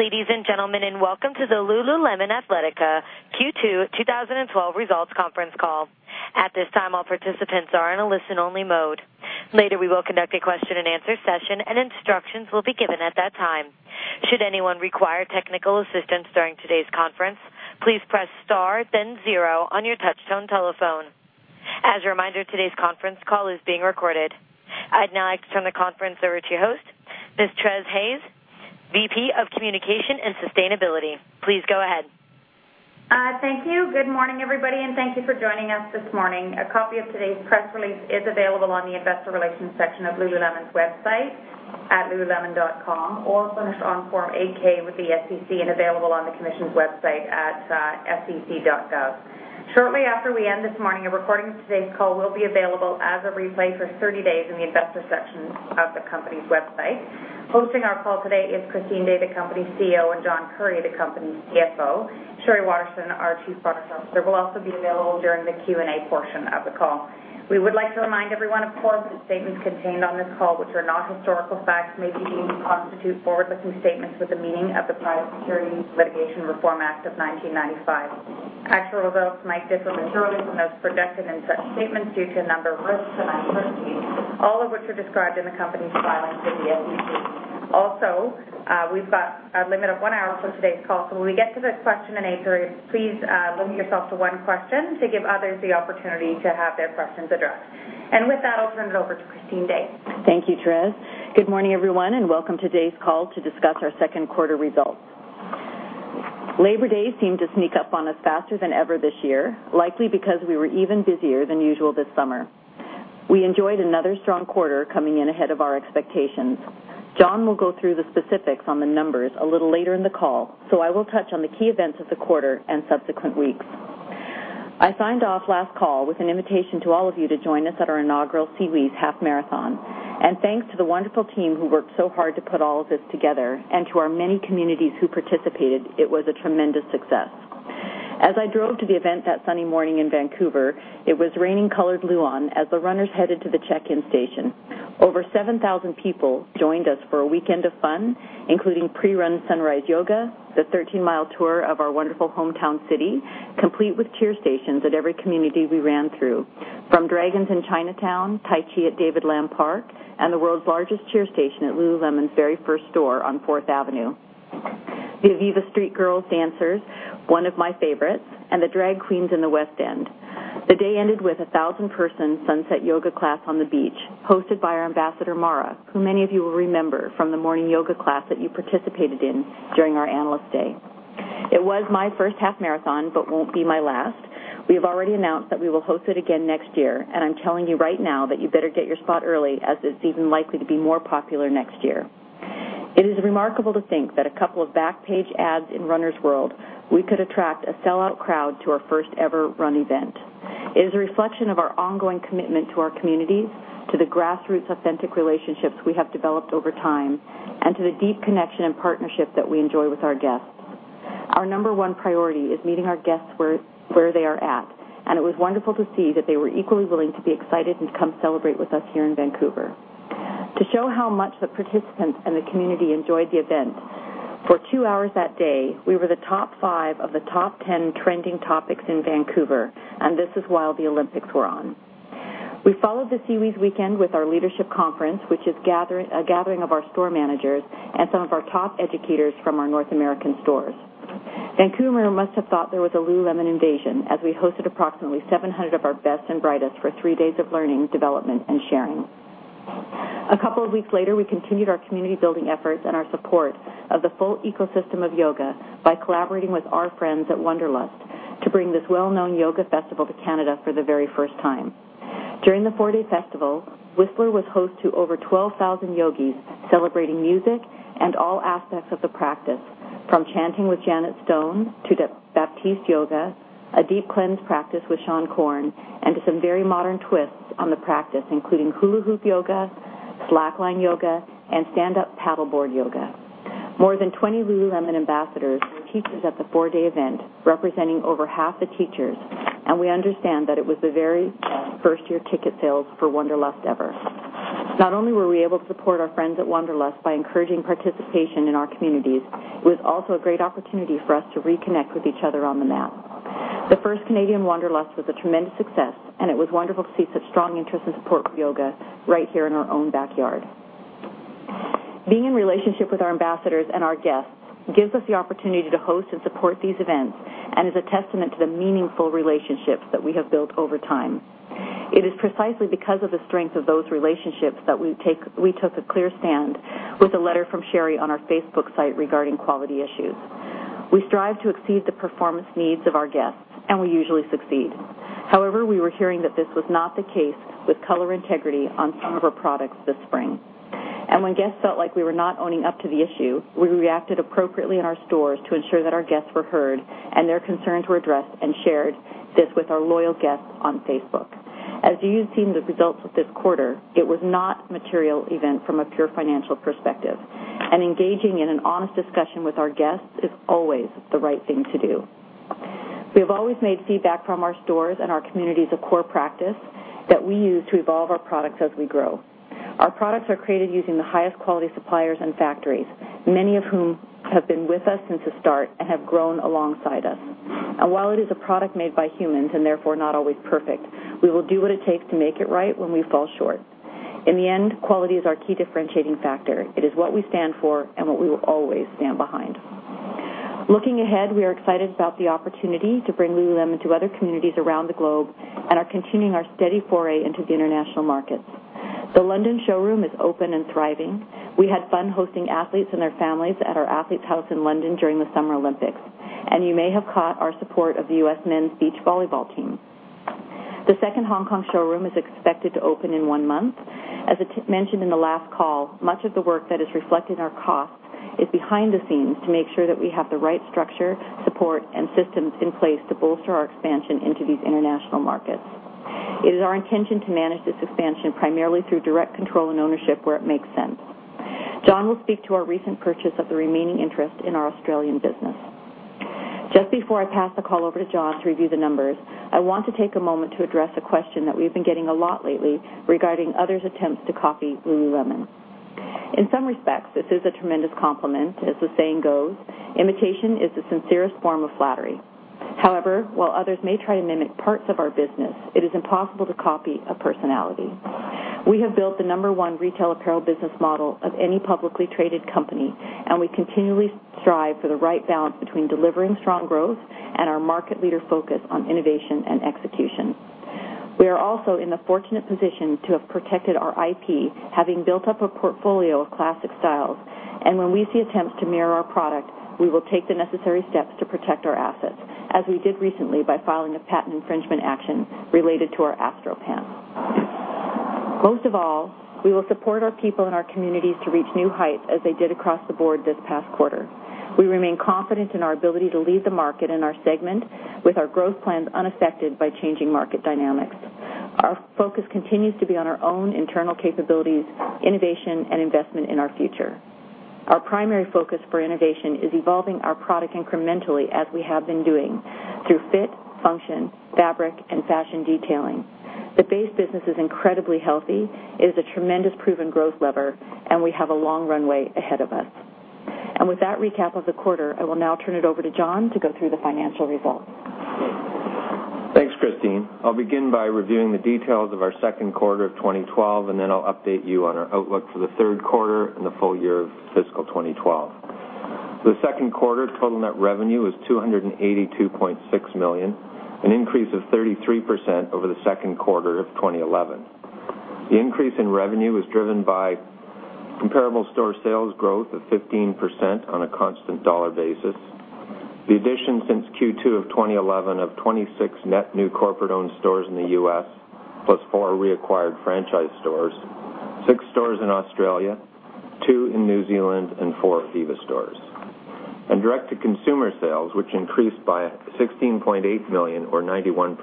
Good day, ladies and gentlemen, welcome to the Lululemon Athletica Q2 2012 results conference call. At this time, all participants are in a listen-only mode. Later, we will conduct a question-and-answer session, instructions will be given at that time. Should anyone require technical assistance during today's conference, please press star then zero on your touchtone telephone. As a reminder, today's conference call is being recorded. I'd now like to turn the conference over to your host, Ms. Therese Hayes, VP of Communication and Sustainability. Please go ahead. Thank you. Good morning, everybody, thank you for joining us this morning. A copy of today's press release is available on the investor relations section of Lululemon's website at lululemon.com or submitted on Form 8-K with the SEC, available on the Commission's website at sec.gov. Shortly after we end this morning, a recording of today's call will be available as a replay for 30 days in the investor section of the company's website. Hosting our call today is Christine Day, the company's CEO, John Currie, the company's CFO. Sheree Waterson, our Chief Product Officer, will also be available during the Q&A portion of the call. We would like to remind everyone, of course, that statements contained on this call, which are not historical facts, may be deemed to constitute forward-looking statements with the meaning of the Private Securities Litigation Reform Act of 1995. Actual results might differ materially from those projected in such statements due to a number of risks and uncertainties, all of which are described in the company's filings with the SEC. We've got a limit of one hour for today's call, when we get to the question and answer, please limit yourself to one question to give others the opportunity to have their questions addressed. With that, I'll turn it over to Christine Day. Thank you, Therese. Good morning, everyone, welcome to today's call to discuss our second quarter results. Labor Day seemed to sneak up on us faster than ever this year, likely because we were even busier than usual this summer. We enjoyed another strong quarter coming in ahead of our expectations. John will go through the specifics on the numbers a little later in the call, I will touch on the key events of the quarter and subsequent weeks. I signed off last call with an invitation to all of you to join us at our inaugural SeaWheeze Half Marathon. Thanks to the wonderful team who worked so hard to put all of this together to our many communities who participated, it was a tremendous success. As I drove to the event that sunny morning in Vancouver, it was raining colored Luon as the runners headed to the check-in station. Over 7,000 people joined us for a weekend of fun, including pre-run sunrise yoga, the 13-mile tour of our wonderful hometown city, complete with cheer stations at every community we ran through. From dragons in Chinatown, tai chi at David Lam Park, and the world's largest cheer station at Lululemon's very first store on Fourth Avenue. The Ivivva Street Girls dancers, one of my favorites, and the drag queens in the West End. The day ended with a 1,000-person sunset yoga class on the beach, hosted by our ambassador, Mara, who many of you will remember from the morning yoga class that you participated in during our Analyst Day. It was my first half marathon, but it won't be my last. We have already announced that we will host it again next year. I'm telling you right now that you better get your spot early as it's even likely to be more popular next year. It is remarkable to think that a couple of back-page ads in "Runner's World," we could attract a sellout crowd to our first-ever run event. It is a reflection of our ongoing commitment to our communities, to the grassroots authentic relationships we have developed over time, and to the deep connection and partnership that we enjoy with our guests. Our number one priority is meeting our guests where they are at. It was wonderful to see that they were equally willing to be excited and come celebrate with us here in Vancouver. To show how much the participants and the community enjoyed the event, for two hours that day, we were the top five of the top 10 trending topics in Vancouver. This is while the Olympics were on. We followed the SeaWheeze weekend with our leadership conference, which is a gathering of our store managers and some of our top educators from our North American stores. Vancouver must have thought there was a Lululemon invasion, as we hosted approximately 700 of our best and brightest for three days of learning, development, and sharing. A couple of weeks later, we continued our community-building efforts and our support of the full ecosystem of yoga by collaborating with our friends at Wanderlust to bring this well-known yoga festival to Canada for the very first time. During the four-day festival, Whistler was host to over 12,000 yogis celebrating music and all aspects of the practice, from chanting with Janet Stone to Baptiste Yoga, a deep cleanse practice with Seane Corn, and to some very modern twists on the practice, including hula hoop yoga, slackline yoga, and stand-up paddleboard yoga. More than 20 Lululemon ambassadors were teachers at the four-day event, representing over half the teachers. We understand that it was the very first-year ticket sales for Wanderlust ever. Not only were we able to support our friends at Wanderlust by encouraging participation in our communities, it was also a great opportunity for us to reconnect with each other on the mat. The first Canadian Wanderlust was a tremendous success. It was wonderful to see such strong interest and support for yoga right here in our own backyard. Being in relationship with our ambassadors and our guests gives us the opportunity to host and support these events and is a testament to the meaningful relationships that we have built over time. It is precisely because of the strength of those relationships that we took a clear stand with a letter from Sheree on our Facebook site regarding quality issues. We strive to exceed the performance needs of our guests, and we usually succeed. However, we were hearing that this was not the case with color integrity on some of our products this spring. When guests felt like we were not owning up to the issue, we reacted appropriately in our stores to ensure that our guests were heard and their concerns were addressed and shared this with our loyal guests on Facebook. As you've seen the results of this quarter, it was not a material event from a pure financial perspective, and engaging in an honest discussion with our guests is always the right thing to do. We have always made feedback from our stores and our communities a core practice that we use to evolve our products as we grow. Our products are created using the highest quality suppliers and factories, many of whom have been with us since the start and have grown alongside us. While it is a product made by humans, and therefore not always perfect, we will do what it takes to make it right when we fall short. In the end, quality is our key differentiating factor. It is what we stand for and what we will always stand behind. Looking ahead, we are excited about the opportunity to bring Lululemon to other communities around the globe and are continuing our steady foray into the international markets. The London showroom is open and thriving. We had fun hosting athletes and their families at our athletes' house in London during the Summer Olympics, and you may have caught our support of the U.S. Men's beach volleyball team. The second Hong Kong showroom is expected to open in one month. As mentioned in the last call, much of the work that is reflected in our costs is behind the scenes to make sure that we have the right structure, support, and systems in place to bolster our expansion into these international markets. It is our intention to manage this expansion primarily through direct control and ownership where it makes sense. John will speak to our recent purchase of the remaining interest in our Australian business. Just before I pass the call over to John to review the numbers, I want to take a moment to address a question that we've been getting a lot lately regarding others' attempts to copy Lululemon. In some respects, this is a tremendous compliment. As the saying goes, imitation is the sincerest form of flattery. However, while others may try to mimic parts of our business, it is impossible to copy a personality. We have built the number one retail apparel business model of any publicly traded company, and we continually strive for the right balance between delivering strong growth and our market leader focus on innovation and execution. We are also in the fortunate position to have protected our IP, having built up a portfolio of classic styles. When we see attempts to mirror our product, we will take the necessary steps to protect our assets, as we did recently by filing a patent infringement action related to our Astro Pant. Most of all, we will support our people and our communities to reach new heights as they did across the board this past quarter. We remain confident in our ability to lead the market in our segment, with our growth plans unaffected by changing market dynamics. Our focus continues to be on our own internal capabilities, innovation, and investment in our future. Our primary focus for innovation is evolving our product incrementally as we have been doing, through fit, function, fabric, and fashion detailing. The base business is incredibly healthy, it is a tremendous proven growth lever, and we have a long runway ahead of us. With that recap of the quarter, I will now turn it over to John to go through the financial results. Thanks, Christine. I will begin by reviewing the details of our second quarter of 2012, and then I will update you on our outlook for the third quarter and the full year of fiscal 2012. For the second quarter, total net revenue was $282.6 million, an increase of 33% over the second quarter of 2011. The increase in revenue was driven by comparable store sales growth of 15% on a constant dollar basis. The addition since Q2 of 2011 of 26 net new corporate-owned stores in the U.S., plus four reacquired franchise stores, six stores in Australia, two in New Zealand, and four Ivivva stores. Direct-to-consumer sales, which increased by $16.8 million or 91%.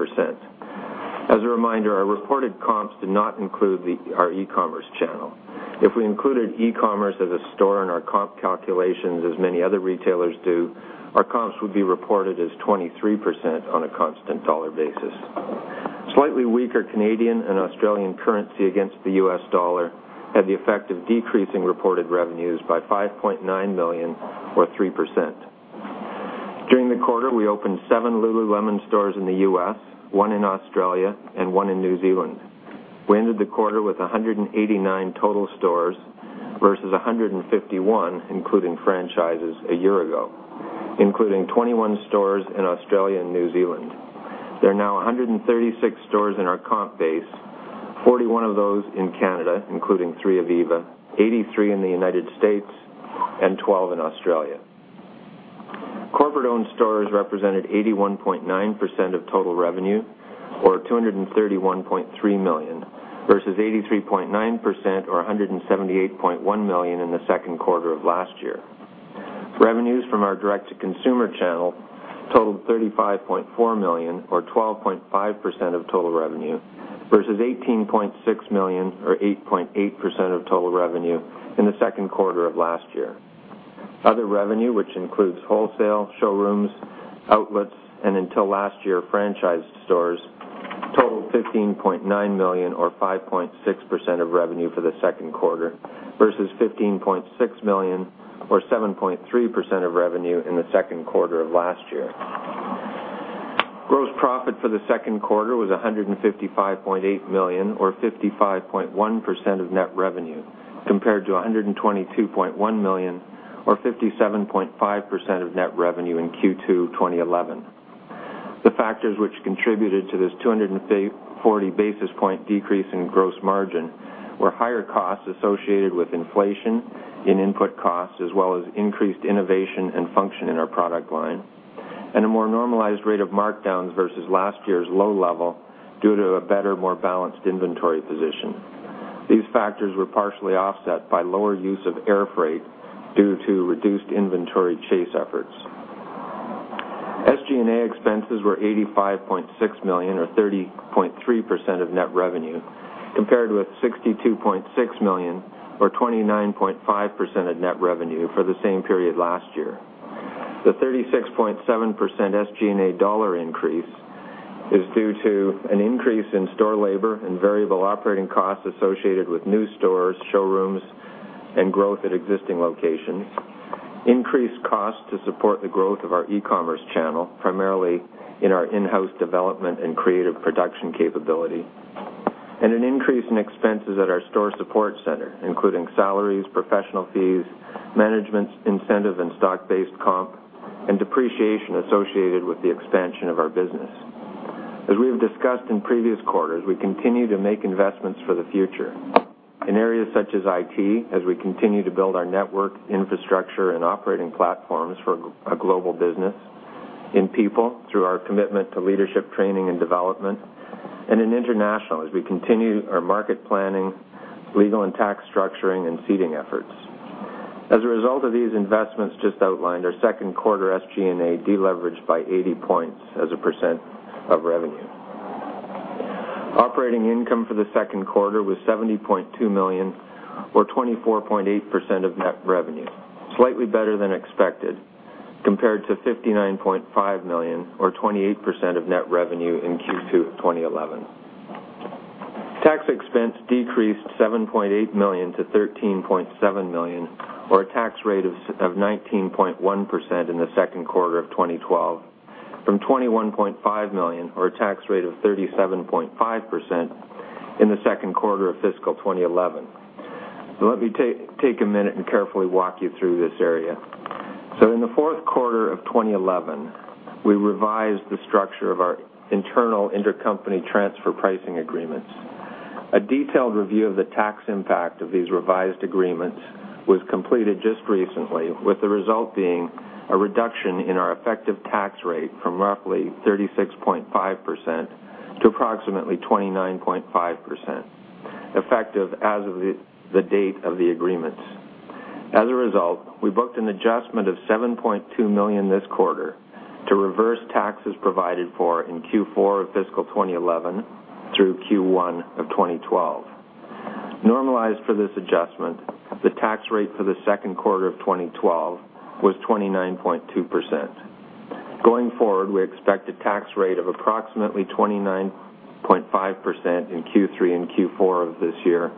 As a reminder, our reported comps did not include our e-commerce channel. If we included e-commerce as a store in our comp calculations, as many other retailers do, our comps would be reported as 23% on a constant dollar basis. Slightly weaker Canadian and Australian currency against the U.S. dollar had the effect of decreasing reported revenues by $5.9 million or 3%. During the quarter, we opened seven Lululemon stores in the U.S., one in Australia, and one in New Zealand. We ended the quarter with 189 total stores versus 151, including franchises, a year ago, including 21 stores in Australia and New Zealand. There are now 136 stores in our comp base, 41 of those in Canada, including three Ivivva, 83 in the United States, and 12 in Australia. Corporate-owned stores represented 81.9% of total revenue or $231.3 million, versus 83.9% or $178.1 million in the second quarter of last year. Revenues from our direct-to-consumer channel totaled $35.4 million, or 12.5% of total revenue, versus $18.6 million or 8.8% of total revenue in the second quarter of last year. Other revenue, which includes wholesale, showrooms, outlets, and until last year, franchised stores, totaled $15.9 million or 5.6% of revenue for the second quarter versus $15.6 million or 7.3% of revenue in the second quarter of last year. Gross profit for the second quarter was $155.8 million or 55.1% of net revenue, compared to $122.1 million or 57.5% of net revenue in Q2 2011. The factors which contributed to this 240 basis point decrease in gross margin were higher costs associated with inflation in input costs, as well as increased innovation and function in our product line, and a more normalized rate of markdowns versus last year's low level due to a better, more balanced inventory position. These factors were partially offset by lower use of air freight due to reduced inventory chase efforts. SG&A expenses were $85.6 million or 30.3% of net revenue compared with $62.6 million or 29.5% of net revenue for the same period last year. The 36.7% SG&A dollar increase is due to an increase in store labor and variable operating costs associated with new stores, showrooms, and growth at existing locations. Increased costs to support the growth of our e-commerce channel, primarily in our in-house development and creative production capability, and an increase in expenses at our store support center, including salaries, professional fees, management incentive and stock-based comp, and depreciation associated with the expansion of our business. As we have discussed in previous quarters, we continue to make investments for the future. In areas such as IT, as we continue to build our network infrastructure and operating platforms for a global business. In people, through our commitment to leadership training and development. In international, as we continue our market planning, legal and tax structuring, and seeding efforts. As a result of these investments just outlined, our second quarter SG&A deleveraged by 80 points as a percent of revenue. Operating income for the second quarter was $70.2 million, or 24.8% of net revenue, slightly better than expected, compared to $59.5 million or 28% of net revenue in Q2 of 2011. Tax expense decreased $7.8 million to $13.7 million, or a tax rate of 19.1% in the second quarter of 2012 from $21.5 million, or a tax rate of 37.5% in the second quarter of fiscal 2011. Let me take a minute and carefully walk you through this area. In the fourth quarter of 2011, we revised the structure of our internal intercompany transfer pricing agreements. A detailed review of the tax impact of these revised agreements was completed just recently, with the result being a reduction in our effective tax rate from roughly 36.5% to approximately 29.5%, effective as of the date of the agreements. As a result, we booked an adjustment of $7.2 million this quarter to reverse taxes provided for in Q4 of fiscal 2011 through Q1 of 2012. Normalized for this adjustment, the tax rate for the second quarter of 2012 was 29.2%. Going forward, we expect a tax rate of approximately 29.5% in Q3 and Q4 of this year,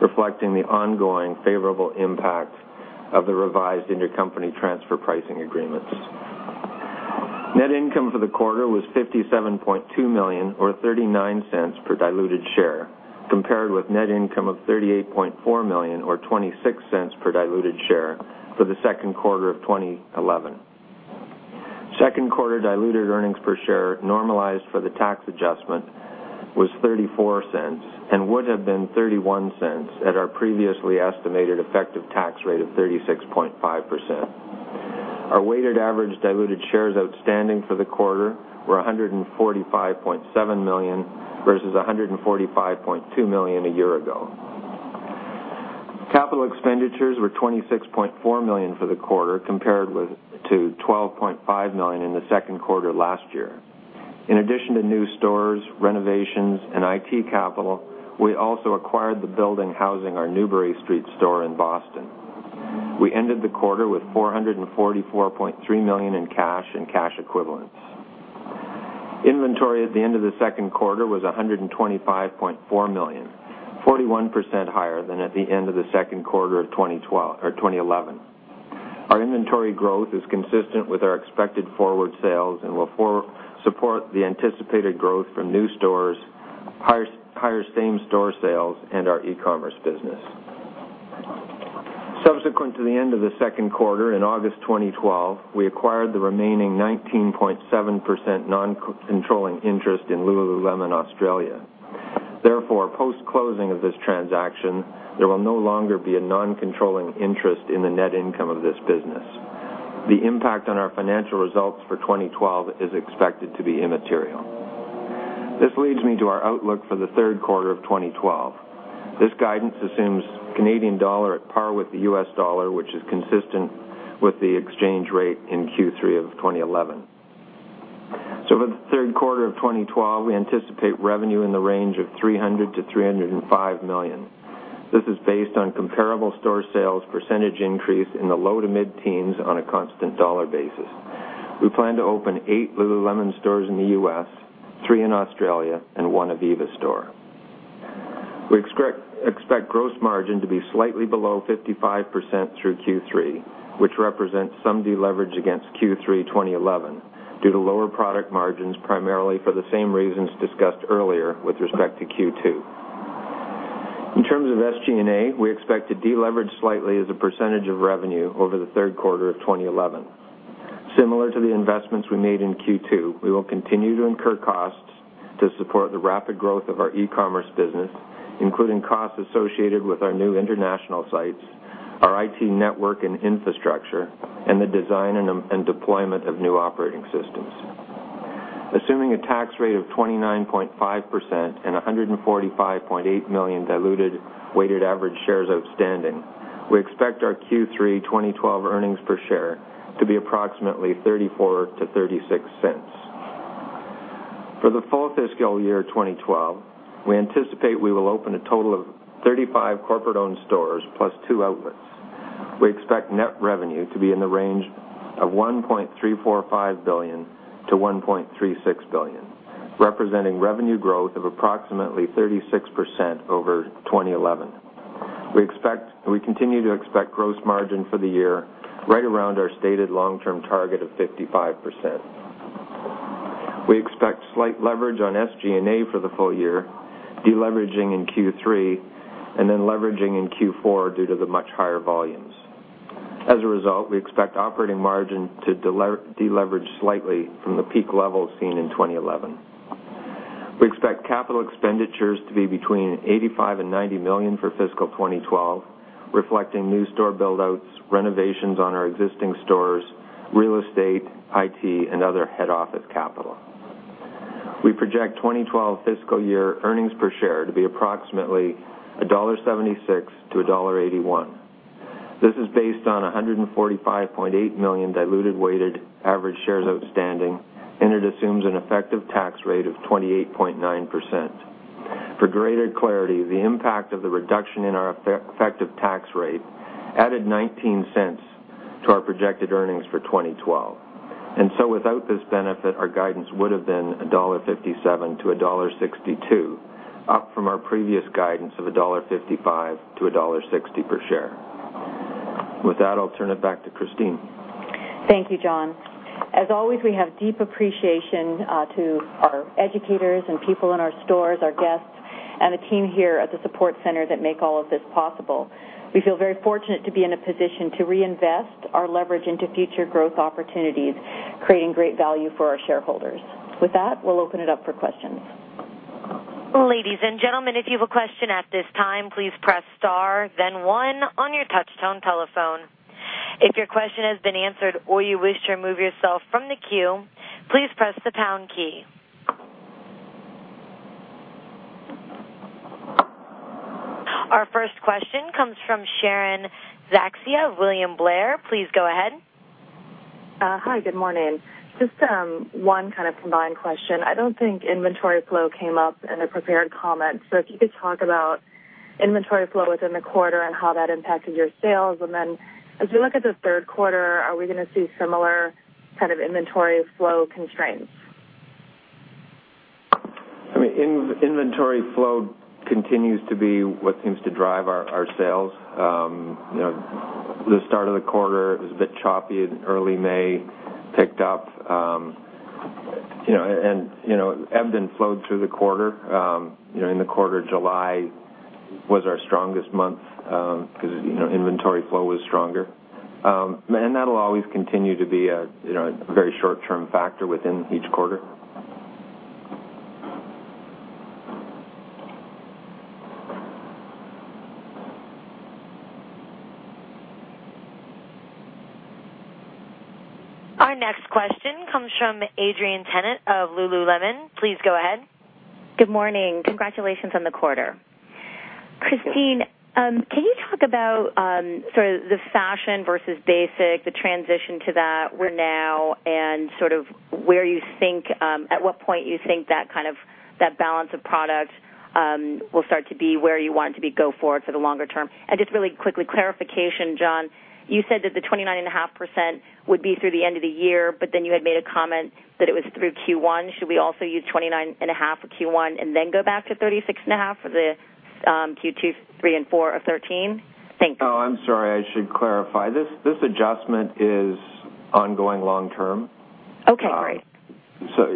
reflecting the ongoing favorable impact of the revised intercompany transfer pricing agreements. Net income for the quarter was $57.2 million, or $0.39 per diluted share, compared with net income of $38.4 million or $0.26 per diluted share for the second quarter of 2011. Second quarter diluted earnings per share normalized for the tax adjustment was $0.34 and would have been $0.31 at our previously estimated effective tax rate of 36.5%. Our weighted average diluted shares outstanding for the quarter were 145.7 million, versus 145.2 million a year ago. Capital expenditures were $26.4 million for the quarter, compared to $12.5 million in the second quarter last year. In addition to new stores, renovations, and IT capital, we also acquired the building housing our Newbury Street store in Boston. We ended the quarter with $444.3 million in cash and cash equivalents. Inventory at the end of the second quarter was $125.4 million, 41% higher than at the end of the second quarter of 2011. Our inventory growth is consistent with our expected forward sales and will support the anticipated growth from new stores, higher same-store sales, and our e-commerce business. Subsequent to the end of the second quarter, in August 2012, we acquired the remaining 19.7% non-controlling interest in Lululemon Australia. Therefore, post-closing of this transaction, there will no longer be a non-controlling interest in the net income of this business. The impact on our financial results for 2012 is expected to be immaterial. This leads me to our outlook for the third quarter of 2012. This guidance assumes Canadian dollar at par with the U.S. dollar, which is consistent with the exchange rate in Q3 of 2011. For the third quarter of 2012, we anticipate revenue in the range of $300 million-$305 million. This is based on comparable store sales percentage increase in the low to mid-teens on a constant dollar basis. We plan to open eight Lululemon stores in the U.S., three in Australia, and one Ivivva store. We expect gross margin to be slightly below 55% through Q3, which represents some deleverage against Q3 2011 due to lower product margins, primarily for the same reasons discussed earlier with respect to Q2. In terms of SG&A, we expect to deleverage slightly as a percentage of revenue over the third quarter of 2011. Similar to the investments we made in Q2, we will continue to incur costs to support the rapid growth of our e-commerce business, including costs associated with our new international sites, our IT network and infrastructure, and the design and deployment of new operating systems. Assuming a tax rate of 29.5% and 145.8 million diluted weighted average shares outstanding, we expect our Q3 2012 earnings per share to be approximately $0.34-$0.36. For the full fiscal year 2012, we anticipate we will open a total of 35 corporate-owned stores plus two outlets. We expect net revenue to be in the range of $1.345 billion-$1.36 billion, representing revenue growth of approximately 36% over 2011. We continue to expect gross margin for the year right around our stated long-term target of 55%. We expect slight leverage on SG&A for the full year, de-leveraging in Q3, then leveraging in Q4 due to the much higher volumes. As a result, we expect operating margin to de-leverage slightly from the peak levels seen in 2011. We expect capital expenditures to be between $85 million and $90 million for fiscal 2012, reflecting new store build-outs, renovations on our existing stores, real estate, IT, and other head office capital. We project 2012 fiscal year earnings per share to be approximately $1.76-$1.81. This is based on 145.8 million diluted weighted average shares outstanding, and it assumes an effective tax rate of 28.9%. For greater clarity, the impact of the reduction in our effective tax rate added $0.19 to our projected earnings for 2012. Without this benefit, our guidance would have been $1.57-$1.62, up from our previous guidance of $1.55-$1.60 per share. With that, I'll turn it back to Christine. Thank you, John. As always, we have deep appreciation to our educators and people in our stores, our guests, and the team here at the support center that make all of this possible. We feel very fortunate to be in a position to reinvest our leverage into future growth opportunities, creating great value for our shareholders. With that, we'll open it up for questions. Ladies and gentlemen, if you have a question at this time, please press star then one on your touch tone telephone. If your question has been answered or you wish to remove yourself from the queue, please press the pound key. Our first question comes from Sharon Zackfia of William Blair. Please go ahead. Hi, good morning. Just one kind of combined question. I don't think inventory flow came up in the prepared comments, so if you could talk about inventory flow within the quarter and how that impacted your sales. As we look at the third quarter, are we going to see similar kind of inventory flow constraints? Inventory flow continues to be what seems to drive our sales. The start of the quarter, it was a bit choppy in early May, picked up, and ebbed and flowed through the quarter. In the quarter, July was our strongest month because inventory flow was stronger. That'll always continue to be a very short-term factor within each quarter. Our next question comes from Adrienne Yih-Tennant of Lululemon. Please go ahead. Good morning. Congratulations on the quarter. Thank you. Christine, can you talk about sort of the fashion versus basic, the transition to that, where now, and sort of at what point you think that kind of that balance of product will start to be where you want it to be go forward for the longer term? Just really quickly, clarification, John, you said that the 29.5% would be through the end of the year, but then you had made a comment that it was through Q1. Should we also use 29.5 for Q1 and then go back to 36.5 for the Q2, 3, and 4 of 2013? Thank you. I'm sorry. I should clarify this. This adjustment is ongoing long term. Okay, great.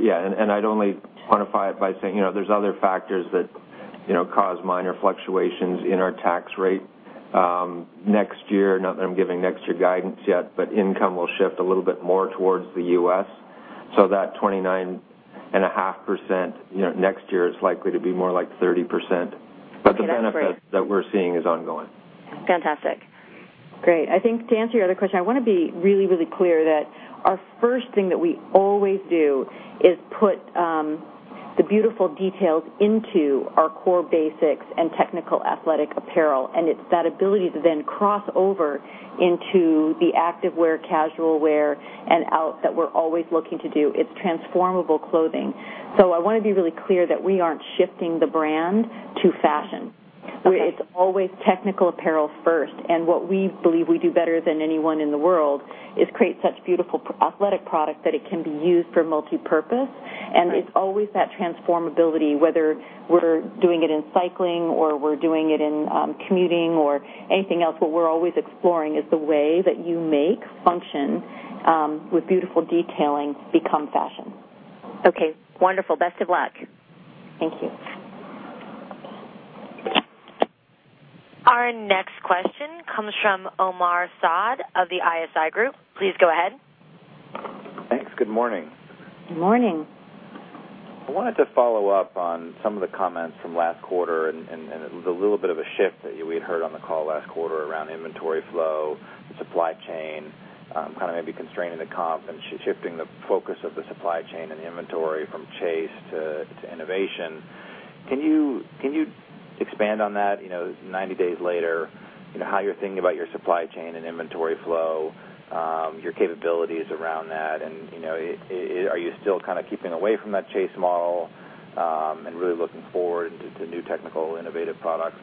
Yeah, I'd only quantify it by saying there's other factors that cause minor fluctuations in our tax rate. Next year, not that I'm giving next year guidance yet, income will shift a little bit more towards the U.S., so that 29.5% next year is likely to be more like 30%. Okay, that's great. The benefit that we're seeing is ongoing. Fantastic. Great. I think to answer your other question, I want to be really, really clear that our first thing that we always do is put the beautiful details into our core basics and technical athletic apparel, and it's that ability to then cross over into the activewear, casual wear, and out that we're always looking to do. It's transformable clothing. I want to be really clear that we aren't shifting the brand to fashion. Okay. It's always technical apparel first, and what we believe we do better than anyone in the world is create such beautiful athletic product that it can be used for multipurpose. Right. It's always that transformability, whether we're doing it in cycling or we're doing it in commuting or anything else, what we're always exploring is the way that you make function with beautiful detailing become fashion. Okay, wonderful. Best of luck. Thank you. Our next question comes from Omar Saad of the ISI Group. Please go ahead. Thanks. Good morning. Good morning. I wanted to follow up on some of the comments from last quarter, and it was a little bit of a shift that we had heard on the call last quarter around inventory flow, supply chain, kind of maybe constraining the comp and shifting the focus of the supply chain and inventory from chase to innovation. Can you expand on that 90 days later, how you're thinking about your supply chain and inventory flow, your capabilities around that, and are you still keeping away from that Chase model and really looking forward to new technical innovative products?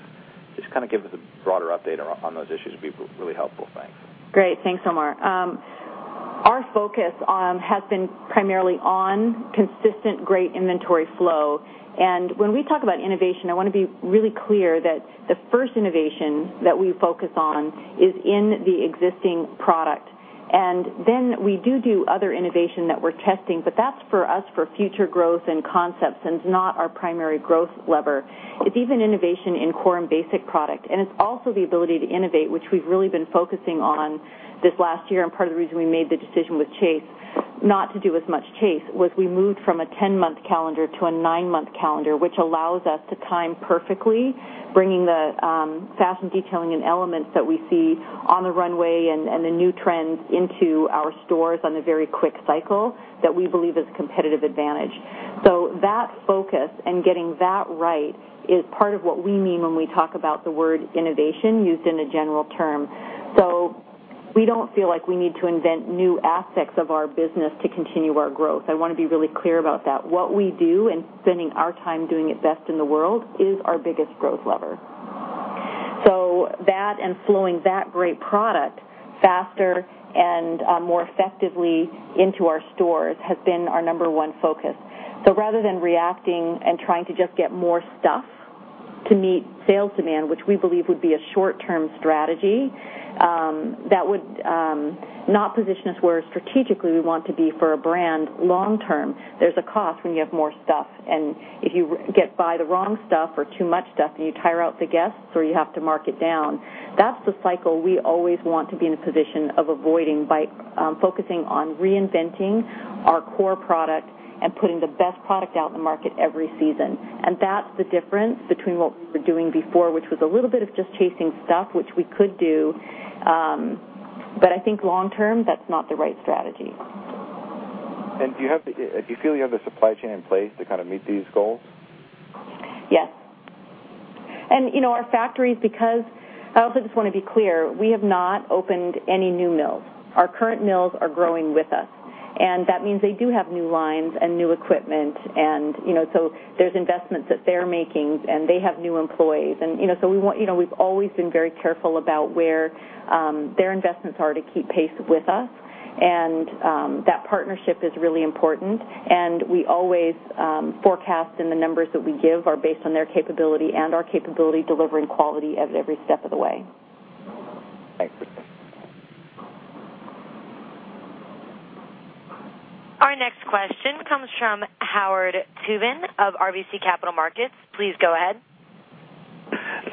Just give us a broader update on those issues would be really helpful. Thanks. Great. Thanks, Omar. Our focus has been primarily on consistent great inventory flow. When we talk about innovation, I want to be really clear that the first innovation that we focus on is in the existing product. Then we do other innovation that we're testing, but that's for us for future growth and concepts and is not our primary growth lever. It's even innovation in core and basic product, it's also the ability to innovate, which we've really been focusing on this last year and part of the reason we made the decision with Chase not to do as much Chase, was we moved from a 10-month calendar to a nine-month calendar, which allows us to time perfectly bringing the fashion detailing and elements that we see on the runway and the new trends into our stores on a very quick cycle that we believe is competitive advantage. That focus and getting that right is part of what we mean when we talk about the word innovation used in a general term. We don't feel like we need to invent new aspects of our business to continue our growth. I want to be really clear about that. What we do and spending our time doing it best in the world is our biggest growth lever. That, and flowing that great product faster and more effectively into our stores has been our number one focus. Rather than reacting and trying to just get more stuff to meet sales demand, which we believe would be a short-term strategy that would not position us where strategically we want to be for a brand long term. There's a cost when you have more stuff, and if you buy the wrong stuff or too much stuff and you tire out the guests, or you have to mark it down, that's the cycle we always want to be in a position of avoiding by focusing on reinventing our core product and putting the best product out in the market every season. That's the difference between what we were doing before, which was a little bit of just chasing stuff, which we could do. I think long term, that's not the right strategy. Do you feel you have the supply chain in place to meet these goals? Yes. Our factories, because I also just want to be clear, we have not opened any new mills. Our current mills are growing with us, that means they do have new lines and new equipment. There's investments that they're making, and they have new employees. We've always been very careful about where their investments are to keep pace with us. That partnership is really important, and we always forecast and the numbers that we give are based on their capability and our capability delivering quality at every step of the way. Thanks. Our next question comes from Howard Tubin of RBC Capital Markets. Please go ahead.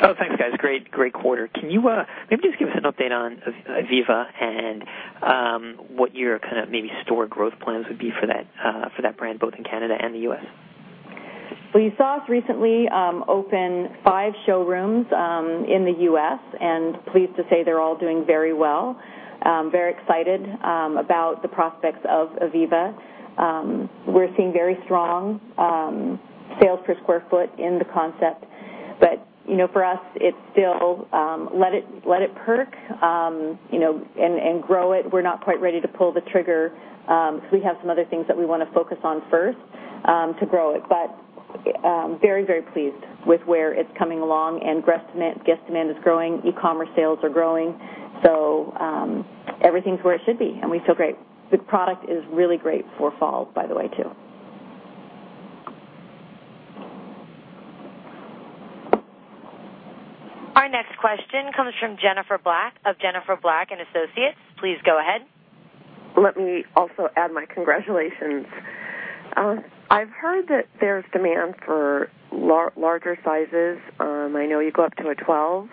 Oh, thanks, guys. Great quarter. Can you maybe just give us an update on Ivivva and what your maybe store growth plans would be for that brand both in Canada and the U.S.? You saw us recently open five showrooms in the U.S., pleased to say they're all doing very well. Very excited about the prospects of Ivivva. We're seeing very strong sales per square foot in the concept. For us, it's still let it perk and grow it. We're not quite ready to pull the trigger, because we have some other things that we want to focus on first to grow it. Very pleased with where it's coming along, and guest demand is growing, e-commerce sales are growing. Everything's where it should be, and we feel great. The product is really great for fall, by the way, too. Our next question comes from Jennifer Black of Jennifer Black & Associates. Please go ahead. Let me also add my congratulations. I've heard that there's demand for larger sizes. I know you go up to a 12,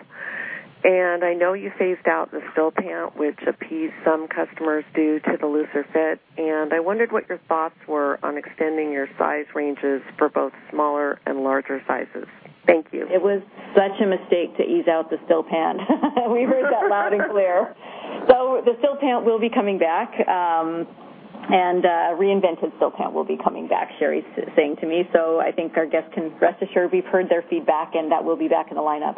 I know you phased out the Still Pant, which appeased some customers due to the looser fit, I wondered what your thoughts were on extending your size ranges for both smaller and larger sizes. Thank you. It was such a mistake to ease out the Still Pant. We heard that loud and clear. The Still Pant will be coming back. A reinvented Still Pant will be coming back, Sheree's saying to me, I think our guests can rest assured we've heard their feedback, and that will be back in the lineup.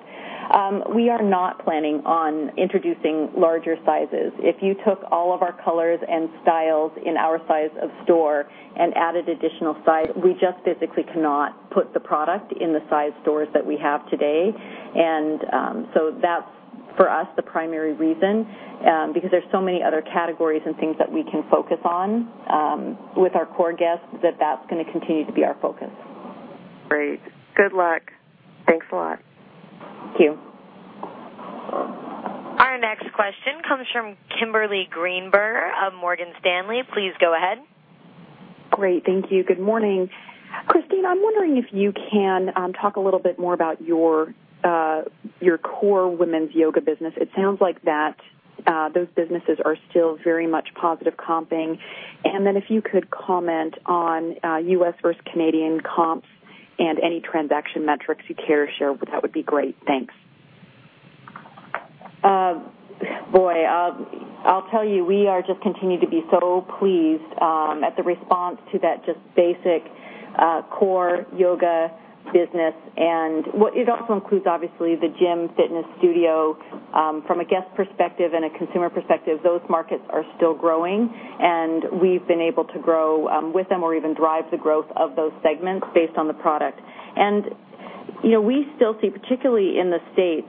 We are not planning on introducing larger sizes. If you took all of our colors and styles in our size of store and added additional size, we just physically cannot put the product in the size stores that we have today. That's for us, the primary reason, because there's so many other categories and things that we can focus on with our core guests, that that's going to continue to be our focus. Great. Good luck. Thanks a lot. Thank you. Our next question comes from Kimberly Greenberger of Morgan Stanley. Please go ahead. Great. Thank you. Good morning. Christine Day, I'm wondering if you can talk a little bit more about your core women's yoga business. It sounds like those businesses are still very much positive comping. Then if you could comment on U.S. versus Canadian comps and any transaction metrics you care to share, that would be great. Thanks. Boy, I'll tell you, we are just continuing to be so pleased at the response to that just basic core yoga business. It also includes, obviously, the gym fitness studio. From a guest perspective and a consumer perspective, those markets are still growing, and we've been able to grow with them or even drive the growth of those segments based on the product. We still see, particularly in the U.S.,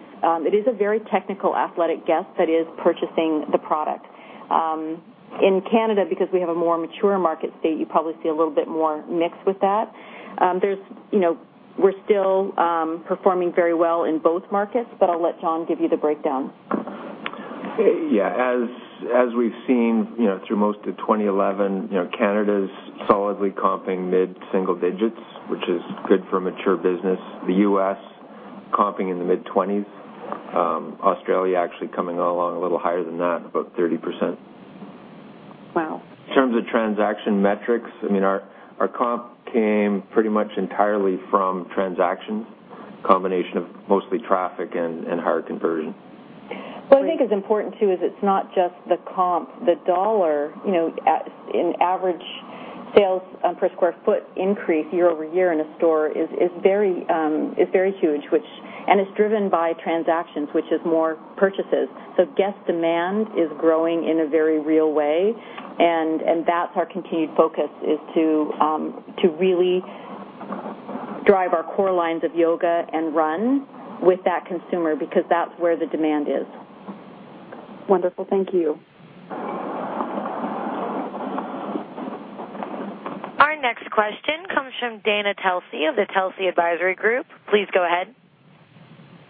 it is a very technical athletic guest that is purchasing the product. In Canada, because we have a more mature market state, you probably see a little bit more mix with that. We're still performing very well in both markets, but I'll let John Currie give you the breakdown. Yeah. As we've seen through most of 2011, Canada's solidly comping mid-single digits, which is good for a mature business. The U.S., comping in the mid-20s. Australia actually coming along a little higher than that, about 30%. Wow. In terms of transaction metrics, our comp came pretty much entirely from transactions. Combination of mostly traffic and higher conversion. What I think is important, too, is it's not just the comp. The $ in average sales per square foot increase year-over-year in a store is very huge. It's driven by transactions, which is more purchases. Guest demand is growing in a very real way, and that's our continued focus is to really drive our core lines of yoga and run with that consumer because that's where the demand is. Wonderful. Thank you. Our next question comes from Dana Telsey of the Telsey Advisory Group. Please go ahead.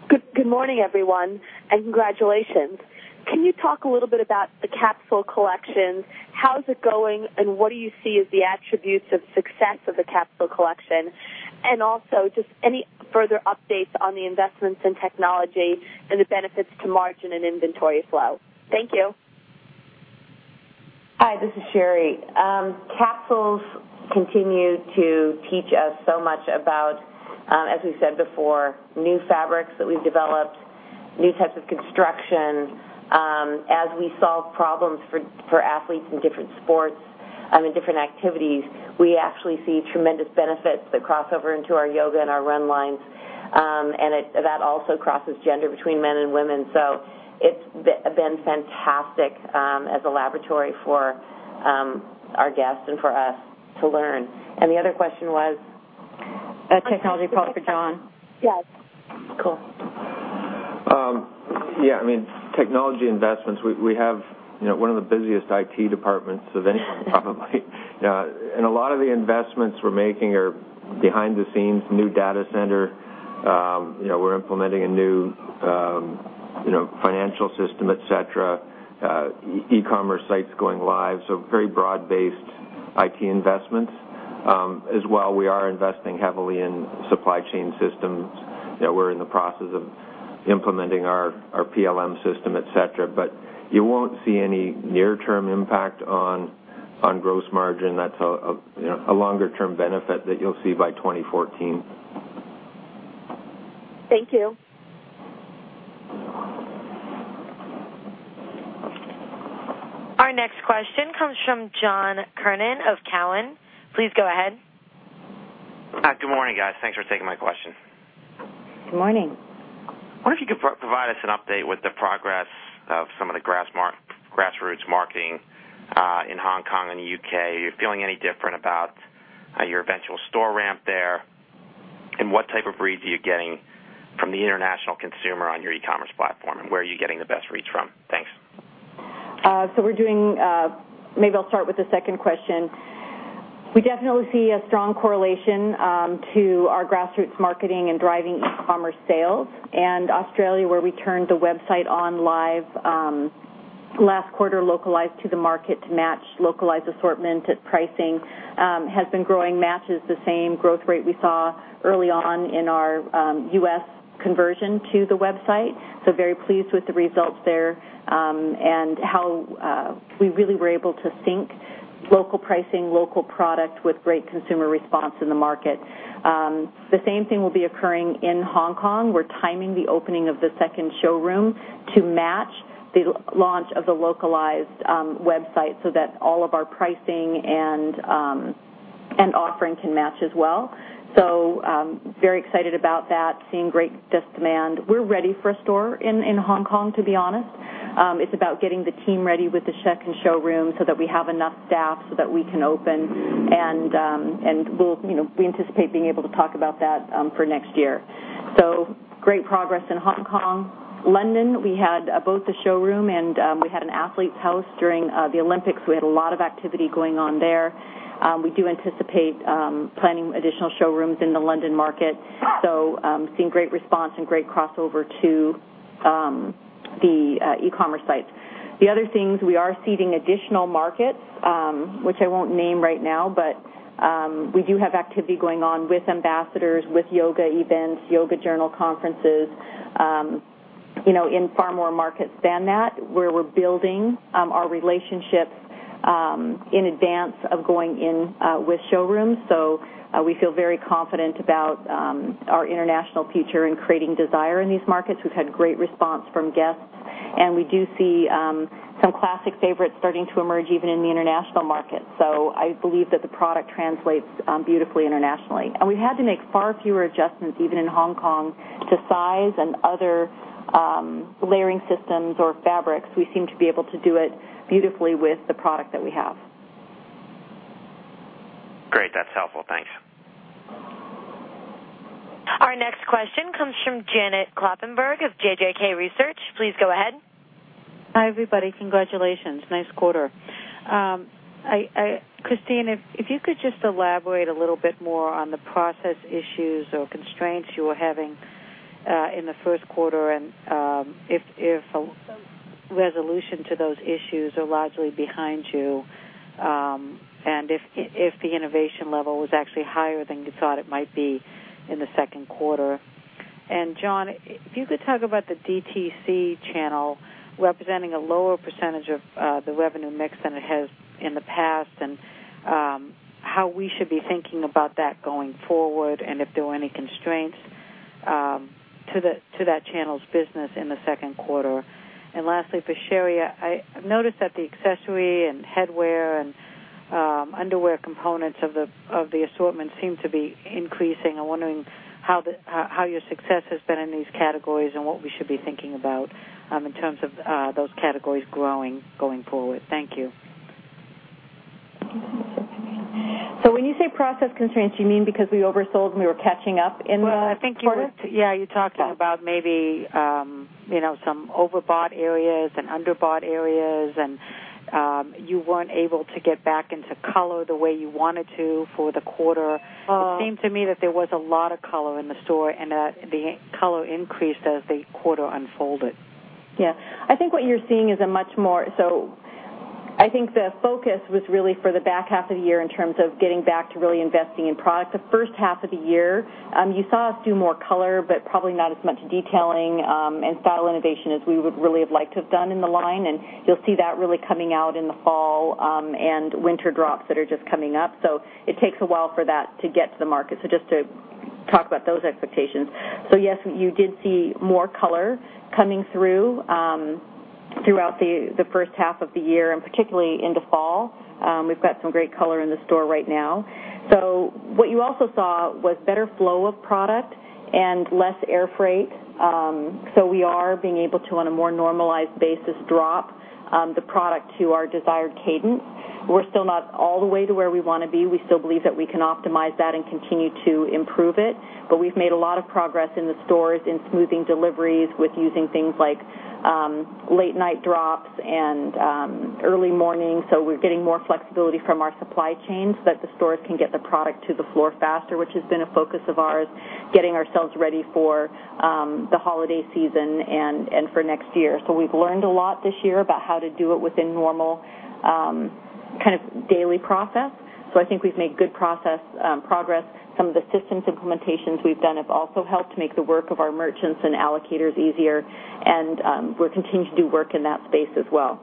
Good morning, everyone, and congratulations. Can you talk a little bit about the capsule collections? How is it going, and what do you see as the attributes of success of the capsule collection? Also, just any further updates on the investments in technology and the benefits to margin and inventory flow. Thank you. Hi, this is Sheree. Capsules continue to teach us so much about, as we said before, new fabrics that we've developed, new types of construction. As we solve problems for athletes in different sports and in different activities, we actually see tremendous benefits that cross over into our yoga and our run lines. That also crosses gender between men and women. It's been fantastic as a laboratory for our guests and for us to learn. The other question was a technology call for John? Yes. Cool. Yeah. Technology investments. We have one of the busiest IT departments of anyone, probably. A lot of the investments we're making are behind the scenes, new data center. We're implementing a new financial system, et cetera. E-commerce sites going live. Very broad-based IT investments. As well, we are investing heavily in supply chain systems. We're in the process of implementing our PLM system, et cetera. You won't see any near-term impact on gross margin. That's a longer-term benefit that you'll see by 2014. Thank you. Our next question comes from John Kernan of Cowen. Please go ahead. Good morning, guys. Thanks for taking my question. Good morning. Wonder if you could provide us an update with the progress of some of the grassroots marketing in Hong Kong and the U.K. Are you feeling any different about your eventual store ramp there? What type of reads are you getting from the international consumer on your e-commerce platform, and where are you getting the best reads from? Thanks. Maybe I'll start with the second question. We definitely see a strong correlation to our grassroots marketing and driving e-commerce sales. Australia, where we turned the website on live last quarter, localized to the market to match localized assortment at pricing, has been growing matches the same growth rate we saw early on in our U.S. conversion to the website. Very pleased with the results there and how we really were able to sync local pricing, local product with great consumer response in the market. The same thing will be occurring in Hong Kong. We're timing the opening of the second showroom to match the launch of the localized website so that all of our pricing and offering can match as well. Very excited about that, seeing great guest demand. We're ready for a store in Hong Kong, to be honest. It's about getting the team ready with the second showroom so that we have enough staff so that we can open. We anticipate being able to talk about that for next year. Great progress in Hong Kong. London, we had both the showroom and we had an athlete's house during the Olympics. We had a lot of activity going on there. We do anticipate planning additional showrooms in the London market. Seeing great response and great crossover to the e-commerce sites. The other thing is, we are seeding additional markets, which I won't name right now, but we do have activity going on with ambassadors, with yoga events, Yoga Journal conferences in far more markets than that, where we're building our relationships in advance of going in with showrooms. We feel very confident about our international future in creating desire in these markets. We've had great response from guests. We do see some classic favorites starting to emerge, even in the international market. I believe that the product translates beautifully internationally. We had to make far fewer adjustments, even in Hong Kong, to size and other layering systems or fabrics. We seem to be able to do it beautifully with the product that we have. Great. That's helpful. Thanks. Our next question comes from Janet Kloppenburg of JJK Research. Please go ahead. Hi, everybody. Congratulations. Nice quarter. Christine, if you could just elaborate a little bit more on the process issues or constraints you were having in the first quarter and if a resolution to those issues are largely behind you, and if the innovation level was actually higher than you thought it might be in the second quarter. John, if you could talk about the DTC channel representing a lower percentage of the revenue mix than it has in the past, and how we should be thinking about that going forward, and if there were any constraints to that channel's business in the second quarter. Lastly, for Sheree, I noticed that the accessory and headwear and underwear components of the assortment seem to be increasing. I'm wondering how your success has been in these categories and what we should be thinking about in terms of those categories growing, going forward. Thank you. When you say process constraints, you mean because we oversold and we were catching up in the quarter? Well, I think you talked about maybe some overbought areas and underbought areas, and you weren't able to get back into color the way you wanted to for the quarter. Well- It seemed to me that there was a lot of color in the store, and that the color increased as the quarter unfolded. Yeah. I think what you're seeing is. I think the focus was really for the back half of the year in terms of getting back to really investing in product. The first half of the year, you saw us do more color, but probably not as much detailing and style innovation as we would really have liked to have done in the line. You'll see that really coming out in the fall and winter drops that are just coming up. It takes a while for that to get to the market. Just to talk about those expectations. Yes, you did see more color coming through throughout the first half of the year, and particularly into fall. We've got some great color in the store right now. What you also saw was better flow of product and less air freight. We are being able to, on a more normalized basis, drop the product to our desired cadence. We're still not all the way to where we want to be. We still believe that we can optimize that and continue to improve it. We've made a lot of progress in the stores in smoothing deliveries with using things like late night drops and early morning. We're getting more flexibility from our supply chain so that the stores can get the product to the floor faster, which has been a focus of ours, getting ourselves ready for the holiday season and for next year. We've learned a lot this year about how to do it within normal daily process. I think we've made good progress. Some of the systems implementations we've done have also helped make the work of our merchants and allocators easier, and we'll continue to do work in that space as well.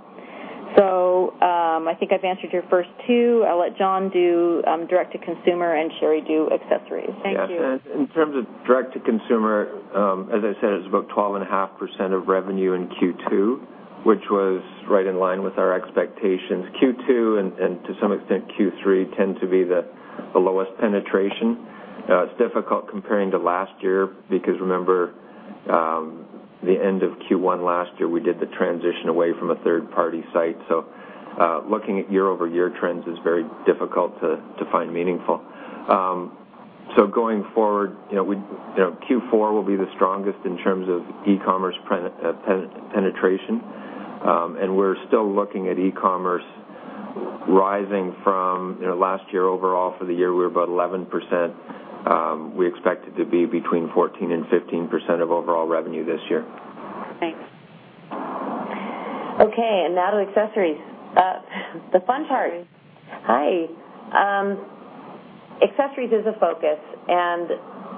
I think I've answered your first two. I'll let John do direct-to-consumer and Sheree do accessories. Thank you. Yes, in terms of direct to consumer, as I said, it's about 12.5% of revenue in Q2, which was right in line with our expectations. Q2, and to some extent Q3, tend to be the lowest penetration. It's difficult comparing to last year because remember, the end of Q1 last year, we did the transition away from a third-party site. Looking at year-over-year trends is very difficult to find meaningful. Going forward, Q4 will be the strongest in terms of e-commerce penetration. We're still looking at e-commerce rising from last year overall for the year, we were about 11%. We expect it to be between 14%-15% of overall revenue this year. Thanks. Okay, now to accessories. The fun part. Accessories. Hi. Accessories is a focus,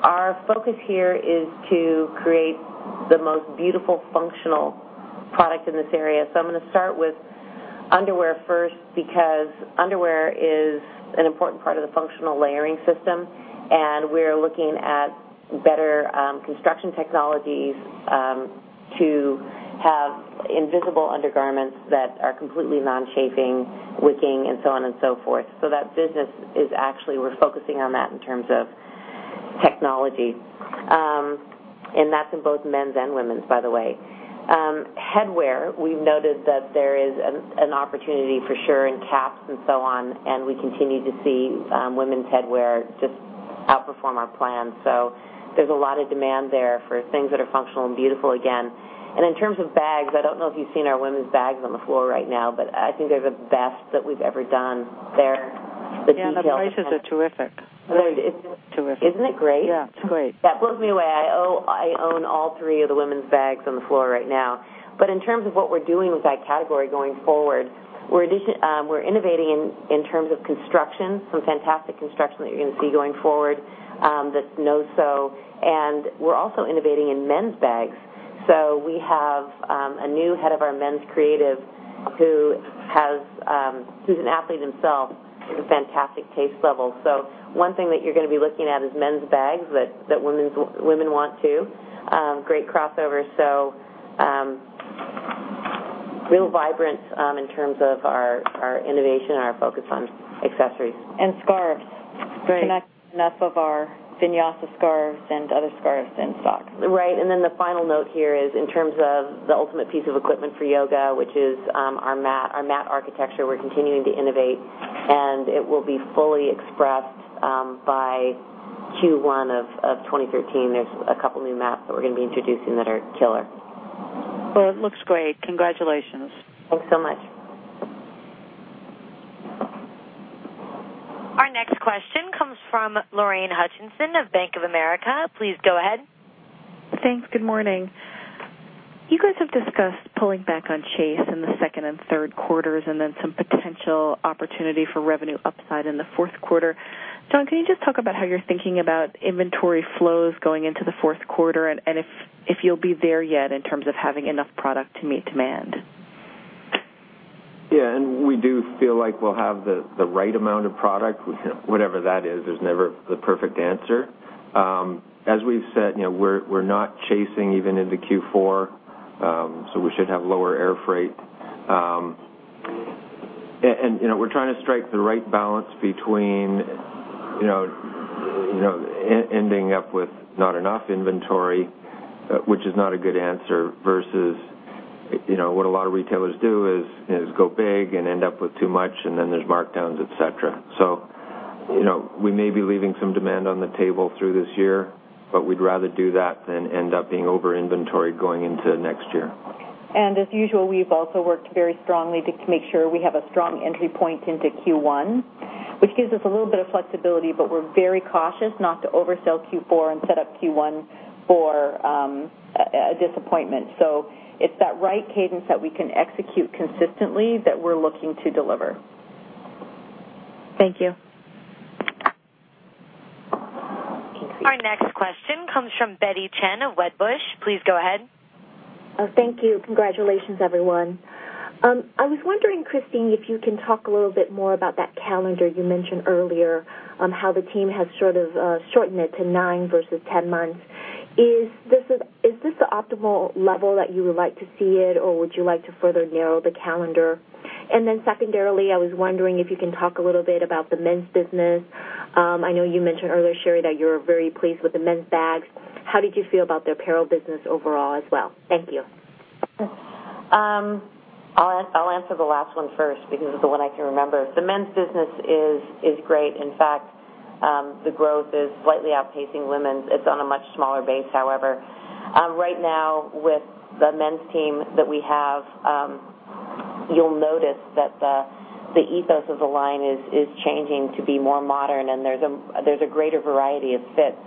our focus here is to create the most beautiful, functional product in this area. I'm going to start with underwear first, because underwear is an important part of the functional layering system. We're looking at better construction technologies to have invisible undergarments that are completely non-chafing, wicking, and so on and so forth. That business is actually, we're focusing on that in terms of technology. That's in both men's and women's, by the way. Headwear, we've noted that there is an opportunity for sure in caps and so on, we continue to see women's headwear just outperform our plans. There's a lot of demand there for things that are functional and beautiful again. In terms of bags, I don't know if you've seen our women's bags on the floor right now, but I think they're the best that we've ever done there. Yeah, the prices are terrific. Isn't it great? Yeah, it's great. That blows me away. I own all three of the women's bags on the floor right now. In terms of what we're doing with that category going forward, we're innovating in terms of construction, some fantastic construction that you're going to see going forward that's no-sew. We're also innovating in men's bags. We have a new head of our men's creative who's an athlete himself with a fantastic taste level. One thing that you're going to be looking at is men's bags that women want too. Great crossover. Real vibrant in terms of our innovation and our focus on accessories. Scarves. Right. Enough of our Vinyasa Scarves and other scarves in stock. Right. The final note here is in terms of the ultimate piece of equipment for yoga, which is our mat architecture. We're continuing to innovate, and it will be fully expressed by Q1 of 2013. There's a couple new mats that we're going to be introducing that are killer. Well, it looks great. Congratulations. Thanks so much. Our next question comes from Lorraine Hutchinson of Bank of America. Please go ahead. Thanks. Good morning. You guys have discussed pulling back on chase in the second and third quarters, and some potential opportunity for revenue upside in the fourth quarter. John, can you just talk about how you're thinking about inventory flows going into the fourth quarter, and if you'll be there yet in terms of having enough product to meet demand? We do feel like we'll have the right amount of product, whatever that is. There's never the perfect answer. As we've said, we're not chasing even into Q4, so we should have lower air freight. We're trying to strike the right balance between ending up with not enough inventory, which is not a good answer, versus what a lot of retailers do is go big and end up with too much, and then there's markdowns, et cetera. We may be leaving some demand on the table through this year, but we'd rather do that than end up being over inventoried going into next year. As usual, we've also worked very strongly to make sure we have a strong entry point into Q1, which gives us a little bit of flexibility, but we're very cautious not to oversell Q4 and set up Q1 for a disappointment. It's that right cadence that we can execute consistently that we're looking to deliver. Thank you. Our next question comes from Betty Chen of Wedbush. Please go ahead. Thank you. Congratulations, everyone. I was wondering, Christine, if you can talk a little bit more about that calendar you mentioned earlier, how the team has sort of shortened it to nine versus 10 months. Is this the optimal level that you would like to see it, or would you like to further narrow the calendar? Then secondarily, I was wondering if you can talk a little bit about the men's business. I know you mentioned earlier, Sheree, that you're very pleased with the men's bags. How did you feel about the apparel business overall as well? Thank you. I'll answer the last one first because it's the one I can remember. The men's business is great. In fact, the growth is slightly outpacing women's. It's on a much smaller base, however. Right now, with the men's team that we have, you'll notice that the ethos of the line is changing to be more modern. There's a greater variety of fits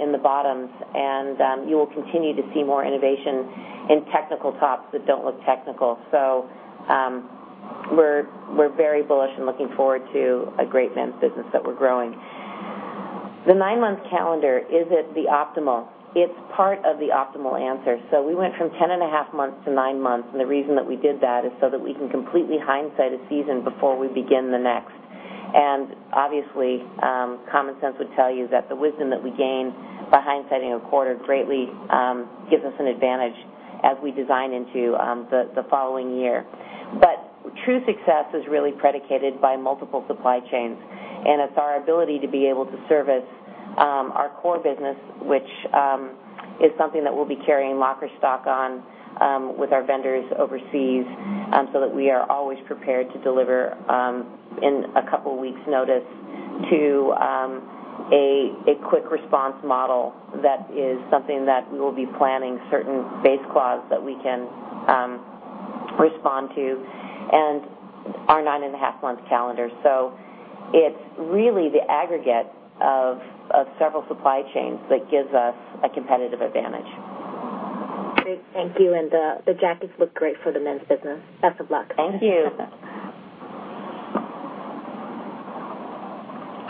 in the bottoms, and you will continue to see more innovation in technical tops that don't look technical. We're very bullish and looking forward to a great men's business that we're growing. The nine-month calendar, is it the optimal? It's part of the optimal answer. We went from 10 and a half months to nine months. The reason that we did that is that we can completely hindsight a season before we begin the next. Obviously, common sense would tell you that the wisdom that we gain by hindsighting a quarter greatly gives us an advantage as we design into the following year. True success is really predicated by multiple supply chains, and it's our ability to be able to service our core business, which is something that we'll be carrying locker stock on with our vendors overseas, that we are always prepared to deliver in a couple of weeks' notice to a quick response model. That is something that we will be planning certain base clothes that we can respond to and our nine-and-a-half months calendar. It's really the aggregate of several supply chains that gives us a competitive advantage. Great. Thank you. The jackets look great for the men's business. Best of luck. Thank you.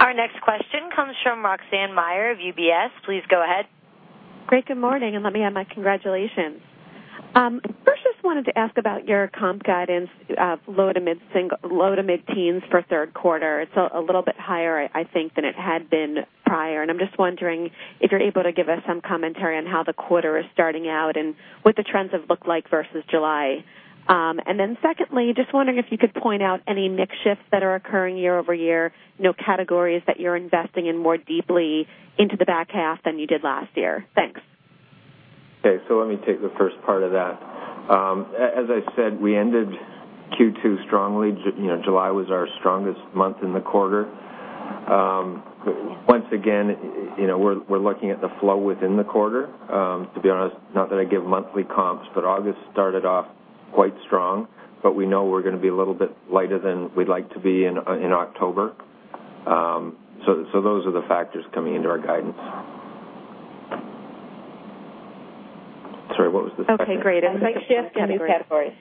Our next question comes from Roxanne Meyer of UBS. Please go ahead. Great. Good morning, let me add my congratulations. First, just wanted to ask about your comp guidance, low to mid-teens for third quarter. It's a little bit higher, I think, than it had been prior, I'm just wondering if you're able to give us some commentary on how the quarter is starting out and what the trends have looked like versus July. Secondly, just wondering if you could point out any mix shifts that are occurring year-over-year, categories that you're investing in more deeply into the back half than you did last year. Thanks. Okay. Let me take the first part of that. As I said, we ended Q2 strongly. July was our strongest month in the quarter. Once again, we're looking at the flow within the quarter. To be honest, not that I give monthly comps, August started off quite strong. We know we're going to be a little bit lighter than we'd like to be in October. Those are the factors coming into our guidance. Sorry, what was the second part? Okay, great. Mix shifts and new categories.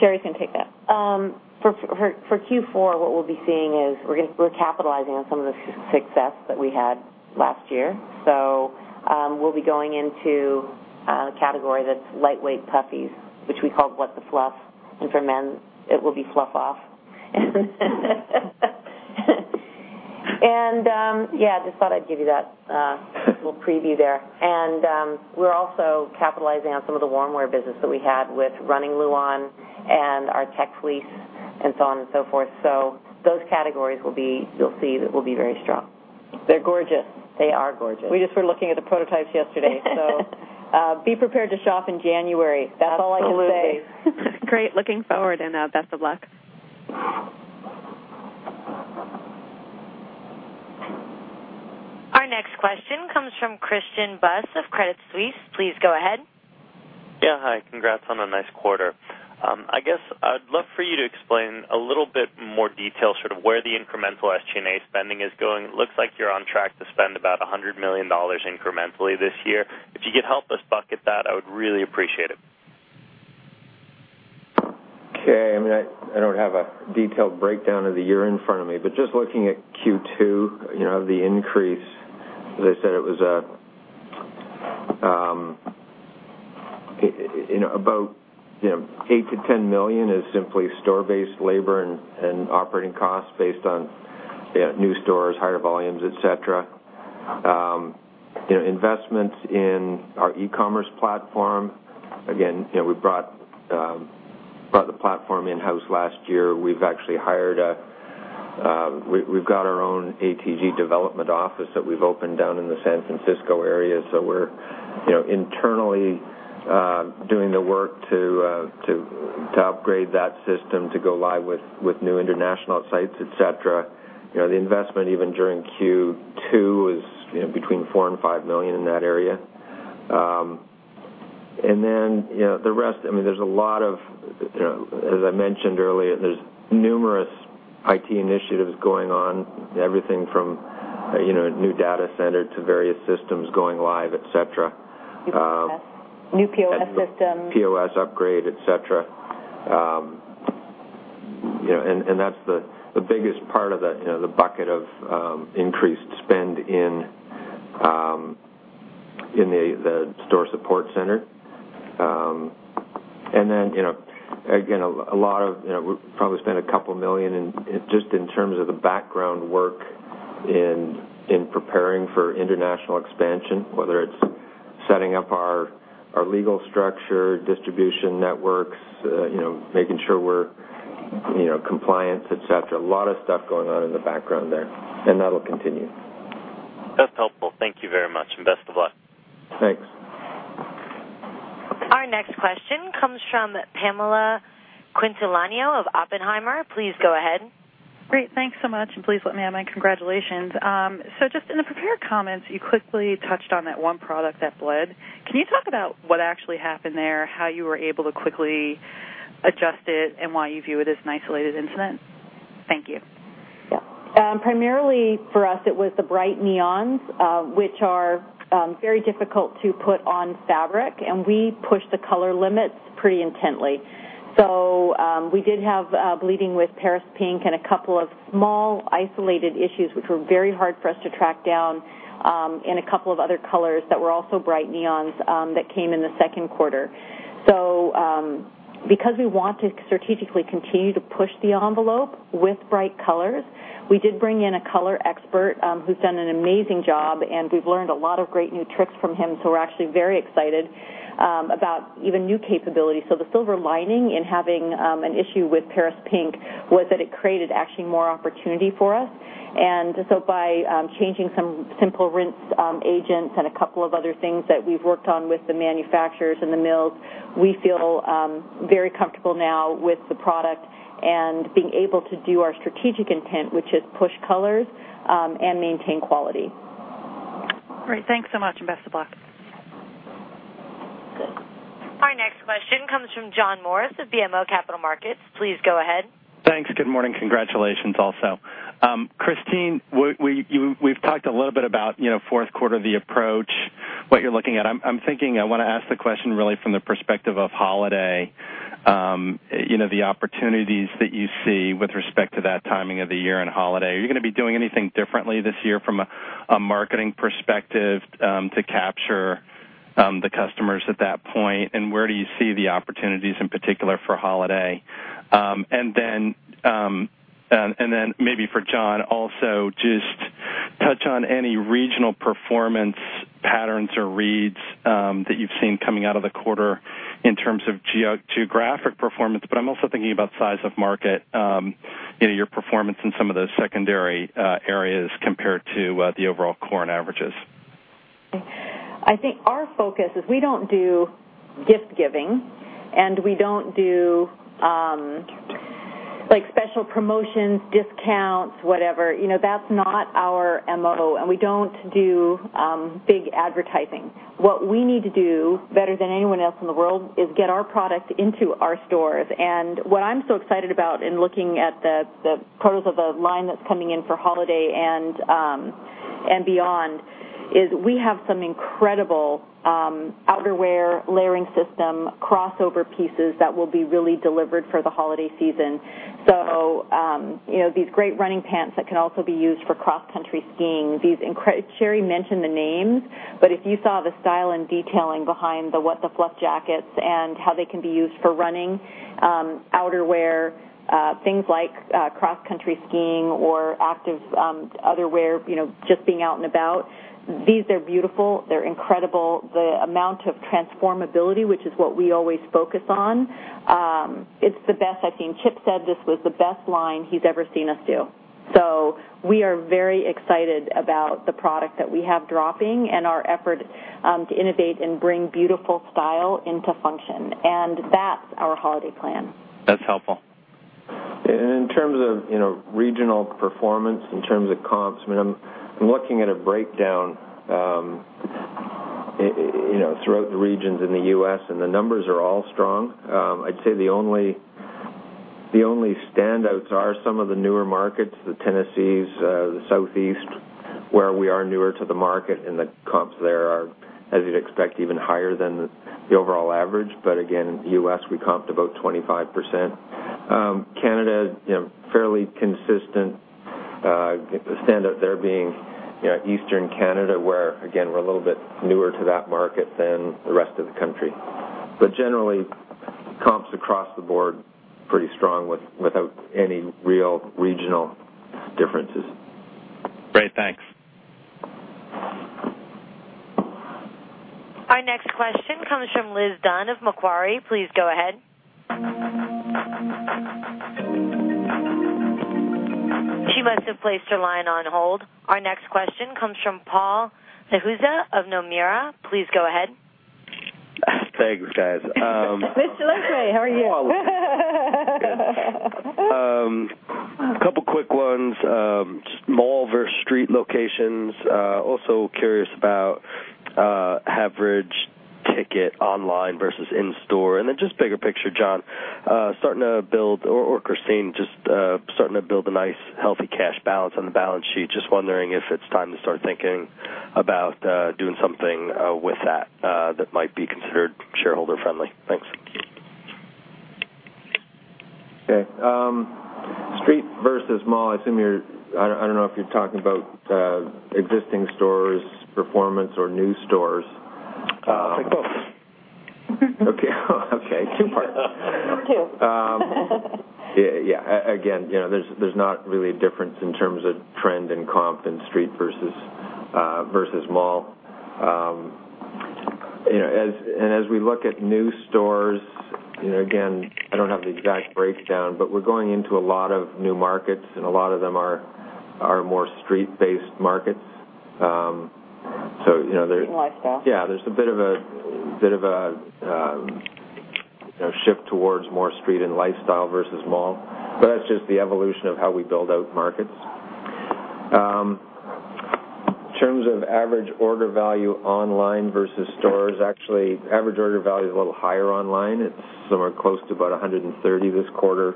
Sheree can take that. For Q4, what we'll be seeing is we're capitalizing on some of the success that we had last year. We'll be going into A category that's lightweight puffies, which we called What The Fluff, and for men, it will be Fluff Off. Yeah, just thought I'd give you that little preview there. We're also capitalizing on some of the warm wear business that we had with Running Luon and our Tech Fleece and so on and so forth. Those categories, you'll see that will be very strong. They're gorgeous. They are gorgeous. We just were looking at the prototypes yesterday. Be prepared to shop in January. That's all I can say. Absolutely. Great. Looking forward, best of luck. Our next question comes from Christian Buss of Credit Suisse. Please go ahead. Yeah. Hi. Congrats on a nice quarter. I guess I'd love for you to explain a little bit more detail, sort of where the incremental SG&A spending is going. It looks like you're on track to spend about $100 million incrementally this year. If you could help us bucket that, I would really appreciate it. Okay. I don't have a detailed breakdown of the year in front of me, but just looking at Q2, the increase, as I said, it was about $8 million-$10 million is simply store-based labor and operating costs based on new stores, higher volumes, et cetera. Investments in our e-commerce platform. Again, we brought the platform in-house last year. We've got our own ATG development office that we've opened down in the San Francisco area, so we're internally doing the work to upgrade that system to go live with new international sites, et cetera. The investment, even during Q2, is between $4 million and $5 million in that area. Then, the rest, as I mentioned earlier, there's numerous IT initiatives going on. Everything from a new data center to various systems going live, et cetera. New POS system. POS upgrade, et cetera. That's the biggest part of the bucket of increased spend in the store support center. Then, again, we'll probably spend a couple million just in terms of the background work in preparing for international expansion, whether it's setting up our legal structure, distribution networks, making sure we're compliant, et cetera. A lot of stuff going on in the background there, that'll continue. That's helpful. Thank you very much, and best of luck. Thanks. Our next question comes from Pamela Quintiliano of Oppenheimer. Please go ahead. Great. Thanks so much. Please let me add my congratulations. Just in the prepared comments, you quickly touched on that one product that bled. Can you talk about what actually happened there, how you were able to quickly adjust it, and why you view it as an isolated incident? Thank you. Yeah. Primarily for us, it was the bright neons, which are very difficult to put on fabric, and we push the color limits pretty intently. We did have bleeding with Paris Pink and a couple of small, isolated issues, which were very hard for us to track down, in a couple of other colors that were also bright neons that came in the second quarter. Because we want to strategically continue to push the envelope with bright colors, we did bring in a color expert who's done an amazing job, and we've learned a lot of great new tricks from him. We're actually very excited about even new capabilities. The silver lining in having an issue with Paris Pink was that it created actually more opportunity for us. By changing some simple rinse agents and a couple of other things that we've worked on with the manufacturers and the mills, we feel very comfortable now with the product and being able to do our strategic intent, which is push colors and maintain quality. Great. Thanks so much, and best of luck. Thanks. Our next question comes from John Morris of BMO Capital Markets. Please go ahead. Thanks. Good morning. Congratulations also. Christine, we've talked a little bit about fourth quarter, the approach, what you're looking at. I'm thinking I want to ask the question really from the perspective of holiday. The opportunities that you see with respect to that timing of the year and holiday. Are you going to be doing anything differently this year from a marketing perspective to capture the customers at that point? Where do you see the opportunities in particular for holiday? Maybe for John also, just touch on any regional performance patterns or reads that you've seen coming out of the quarter in terms of geographic performance. I'm also thinking about size of market, your performance in some of those secondary areas compared to the overall core and averages. I think our focus is we don't do gift giving, we don't do special promotions, discounts, whatever. That's not our MO, we don't do big advertising. What we need to do better than anyone else in the world is get our product into our stores. What I'm so excited about in looking at the colors of the line that's coming in for holiday and beyond, is we have some incredible outerwear layering system, crossover pieces that will be really delivered for the holiday season. These great running pants that can also be used for cross-country skiing. Sheree mentioned the names, but if you saw the style and detailing behind the What The Fluff jackets and how they can be used for running outerwear, things like cross-country skiing or active other wear, just being out and about. These are beautiful. They're incredible. The amount of transformability, which is what we always focus on, it's the best I've seen. Chip said this was the best line he's ever seen us do. We are very excited about the product that we have dropping and our effort to innovate and bring beautiful style into function. That's our holiday plan. That's helpful. In terms of regional performance, in terms of comps, I'm looking at a breakdown throughout the regions in the U.S., and the numbers are all strong. I'd say the only standouts are some of the newer markets, the Tennessees, the Southeast, where we are newer to the market, and the comps there are, as you'd expect, even higher than the overall average. Again, U.S., we comped about 25%. Canada, fairly consistent. I think the standout there being Eastern Canada, where again, we're a little bit newer to that market than the rest of the country. Generally, comps across the board pretty strong without any real regional differences. Great. Thanks. Our next question comes from Liz Dunn of Macquarie. Please go ahead. She must have placed her line on hold. Our next question comes from Paul Lejuez of Nomura. Please go ahead. Thanks, guys. Mr. Lejuez, how are you? Paul, I'm good. A couple of quick ones. Just mall versus street locations. Also curious about average ticket online versus in store. Just bigger picture, John, or Christine, just starting to build a nice, healthy cash balance on the balance sheet. Just wondering if it's time to start thinking about doing something with that might be considered shareholder friendly. Thanks. Okay. Street versus mall. I don't know if you're talking about existing stores performance or new stores. I'd say both. Okay. Two parts. Two. Yeah. Again, there's not really a difference in terms of trend in comp in street versus mall. As we look at new stores, again, I don't have the exact breakdown, but we're going into a lot of new markets, and a lot of them are more street-based markets. There's Street and lifestyle. Yeah, there's a bit of a shift towards more street and lifestyle versus mall. That's just the evolution of how we build out markets. In terms of average order value online versus stores, actually, average order value is a little higher online. It's somewhere close to about $130 this quarter,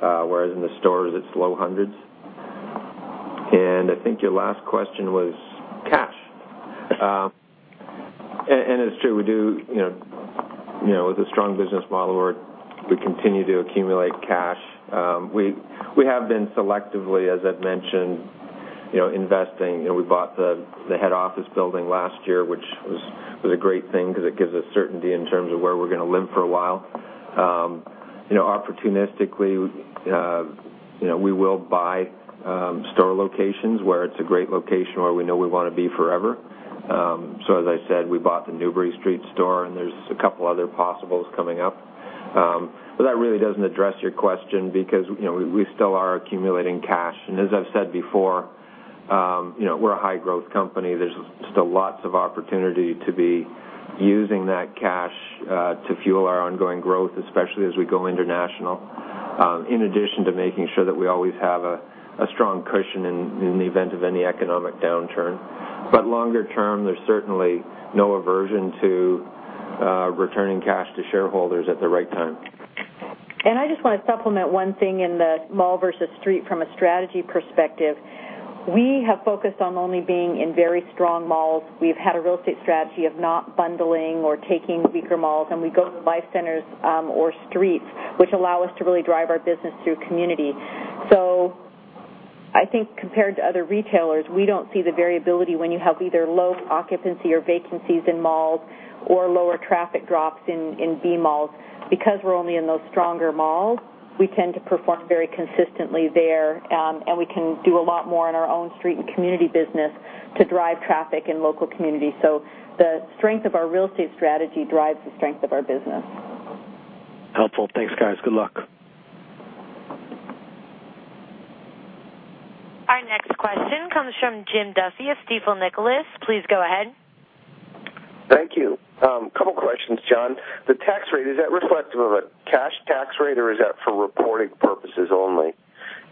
whereas in the stores it's low hundreds. I think your last question was cash. It's true, with a strong business model where we continue to accumulate cash. We have been selectively, as I've mentioned, investing. We bought the head office building last year, which was a great thing because it gives us certainty in terms of where we're going to live for a while. Opportunistically, we will buy store locations where it's a great location where we know we want to be forever. As I said, we bought the Newbury Street store, there's a couple other possibles coming up. That really doesn't address your question because we still are accumulating cash, as I've said before, we're a high growth company. There's still lots of opportunity to be using that cash to fuel our ongoing growth, especially as we go international. In addition to making sure that we always have a strong cushion in the event of any economic downturn. Longer term, there's certainly no aversion to returning cash to shareholders at the right time. I just want to supplement one thing in the mall versus street from a strategy perspective. We have focused on only being in very strong malls. We've had a real estate strategy of not bundling or taking weaker malls, we go to the life centers or streets, which allow us to really drive our business through community. I think compared to other retailers, we don't see the variability when you have either low occupancy or vacancies in malls or lower traffic drops in B malls. We're only in those stronger malls, we tend to perform very consistently there, we can do a lot more on our own street and community business to drive traffic in local communities. The strength of our real estate strategy drives the strength of our business. Helpful. Thanks, guys. Good luck. Our next question comes from Jim Duffy of Stifel Nicolaus. Please go ahead. Thank you. Couple questions, John. The tax rate, is that reflective of a cash tax rate or is that for reporting purposes only?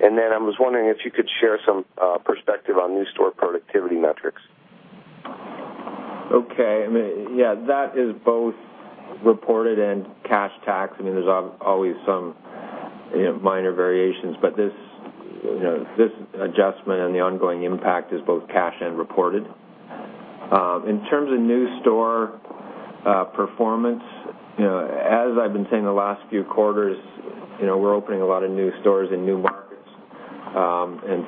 I was wondering if you could share some perspective on new store productivity metrics. Okay. Yeah, that is both reported and cash tax. There's always some minor variations, but this adjustment and the ongoing impact is both cash and reported. In terms of new store performance, as I've been saying the last few quarters, we're opening a lot of new stores in new markets.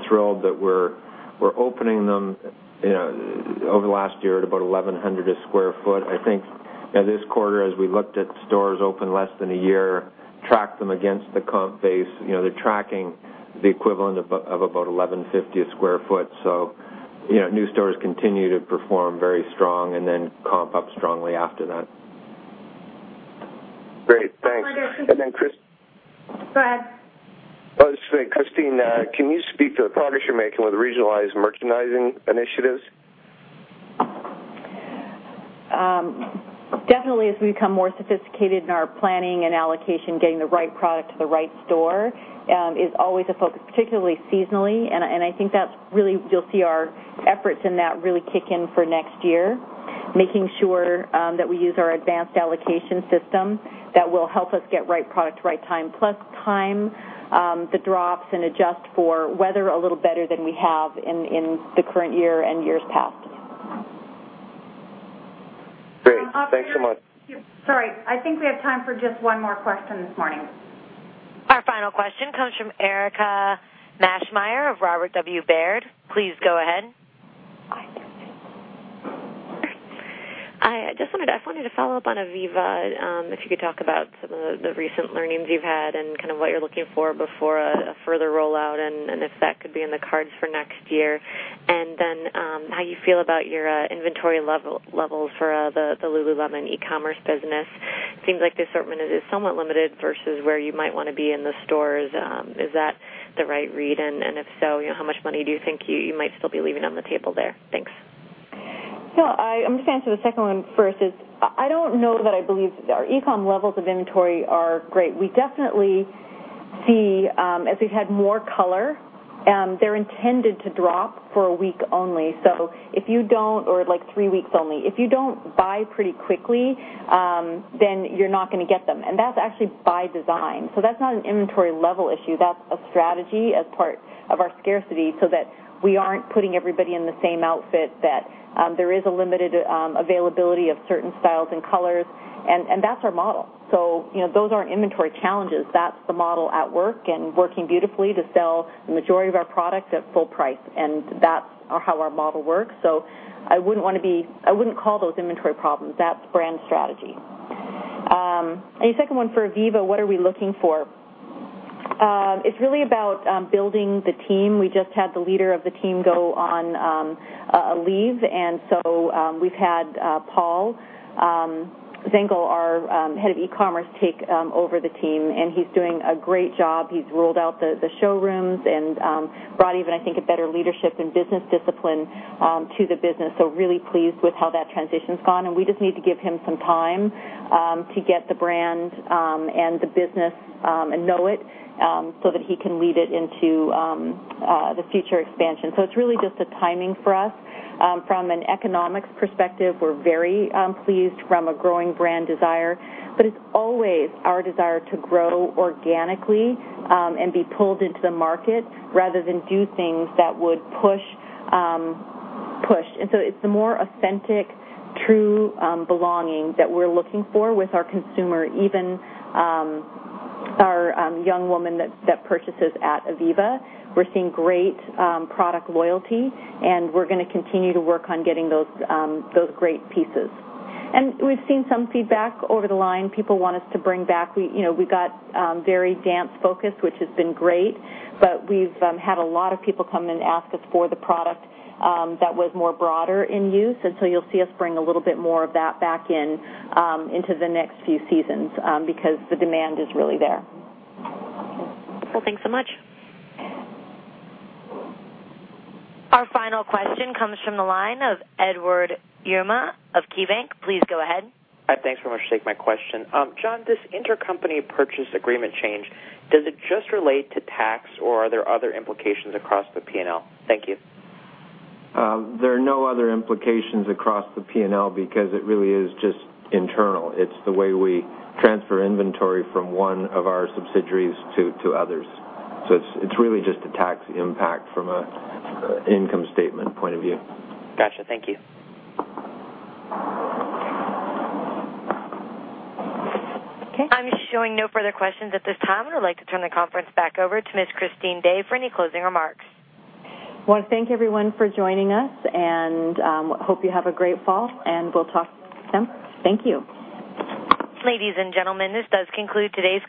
Thrilled that we're opening them over the last year at about $1,100 a square foot. I think this quarter, as we looked at stores open less than a year, tracked them against the comp base, they're tracking the equivalent of about $1,150 a square foot. New stores continue to perform very strong and then comp up strongly after that. Great. Thanks. Chris- Go ahead. Oh, sorry, Christine, can you speak to the progress you're making with regionalized merchandising initiatives? Definitely, as we become more sophisticated in our planning and allocation, getting the right product to the right store is always a focus, particularly seasonally. I think you'll see our efforts in that really kick in for next year, making sure that we use our advanced allocation system that will help us get right product, right time, plus time the drops and adjust for weather a little better than we have in the current year and years past. Great. Thanks so much. Sorry, I think we have time for just one more question this morning. Our final question comes from Erika Maschmeyer of Robert W. Baird. Please go ahead. I just wanted to follow up on Ivivva, if you could talk about some of the recent learnings you've had and what you're looking for before a further rollout, and if that could be in the cards for next year. Then, how you feel about your inventory levels for the Lululemon e-commerce business. Seems like the assortment is somewhat limited versus where you might want to be in the stores. Is that the right read? If so, how much money do you think you might still be leaving on the table there? Thanks. I'm going to answer the second one first. I don't know that I believe our e-com levels of inventory are great. We definitely see, as we've had more color, they're intended to drop for a week only, or three weeks only. If you don't buy pretty quickly, then you're not going to get them. That's actually by design. That's not an inventory level issue. That's a strategy as part of our scarcity so that we aren't putting everybody in the same outfit, that there is a limited availability of certain styles and colors, and that's our model. Those aren't inventory challenges. That's the model at work and working beautifully to sell the majority of our product at full price, and that's how our model works. I wouldn't call those inventory problems. That's brand strategy. Your second one for Ivivva, what are we looking for? It's really about building the team. We just had the leader of the team go on a leave, so we've had Paul Zengel, our head of e-commerce, take over the team, and he's doing a great job. He's rolled out the showrooms and brought even, I think, a better leadership and business discipline to the business. Really pleased with how that transition's gone. We just need to give him some time to get the brand and the business and know it, so that he can lead it into the future expansion. It's really just a timing for us. From an economics perspective, we're very pleased from a growing brand desire, but it's always our desire to grow organically and be pulled into the market rather than do things that would push. It's the more authentic, true belonging that we're looking for with our consumer, even our young woman that purchases at Ivivva. We're seeing great product loyalty, and we're going to continue to work on getting those great pieces. We've seen some feedback over the line. People want us to bring back. We got very dance focused, which has been great, but we've had a lot of people come and ask us for the product that was more broader in use. You'll see us bring a little bit more of that back into the next few seasons, because the demand is really there. Well, thanks so much. Our final question comes from the line of Edward Yruma of KeyBanc. Please go ahead. Thanks very much. You can take my question. John, this intercompany purchase agreement change, does it just relate to tax, or are there other implications across the P&L? Thank you. There are no other implications across the P&L because it really is just internal. It's the way we transfer inventory from one of our subsidiaries to others. It's really just a tax impact from an income statement point of view. Got you. Thank you. Okay. I'm showing no further questions at this time. I'd like to turn the conference back over to Ms. Christine Day for any closing remarks. Well, thank you everyone for joining us, hope you have a great fall, we'll talk soon. Thank you. Ladies and gentlemen, this does conclude today's.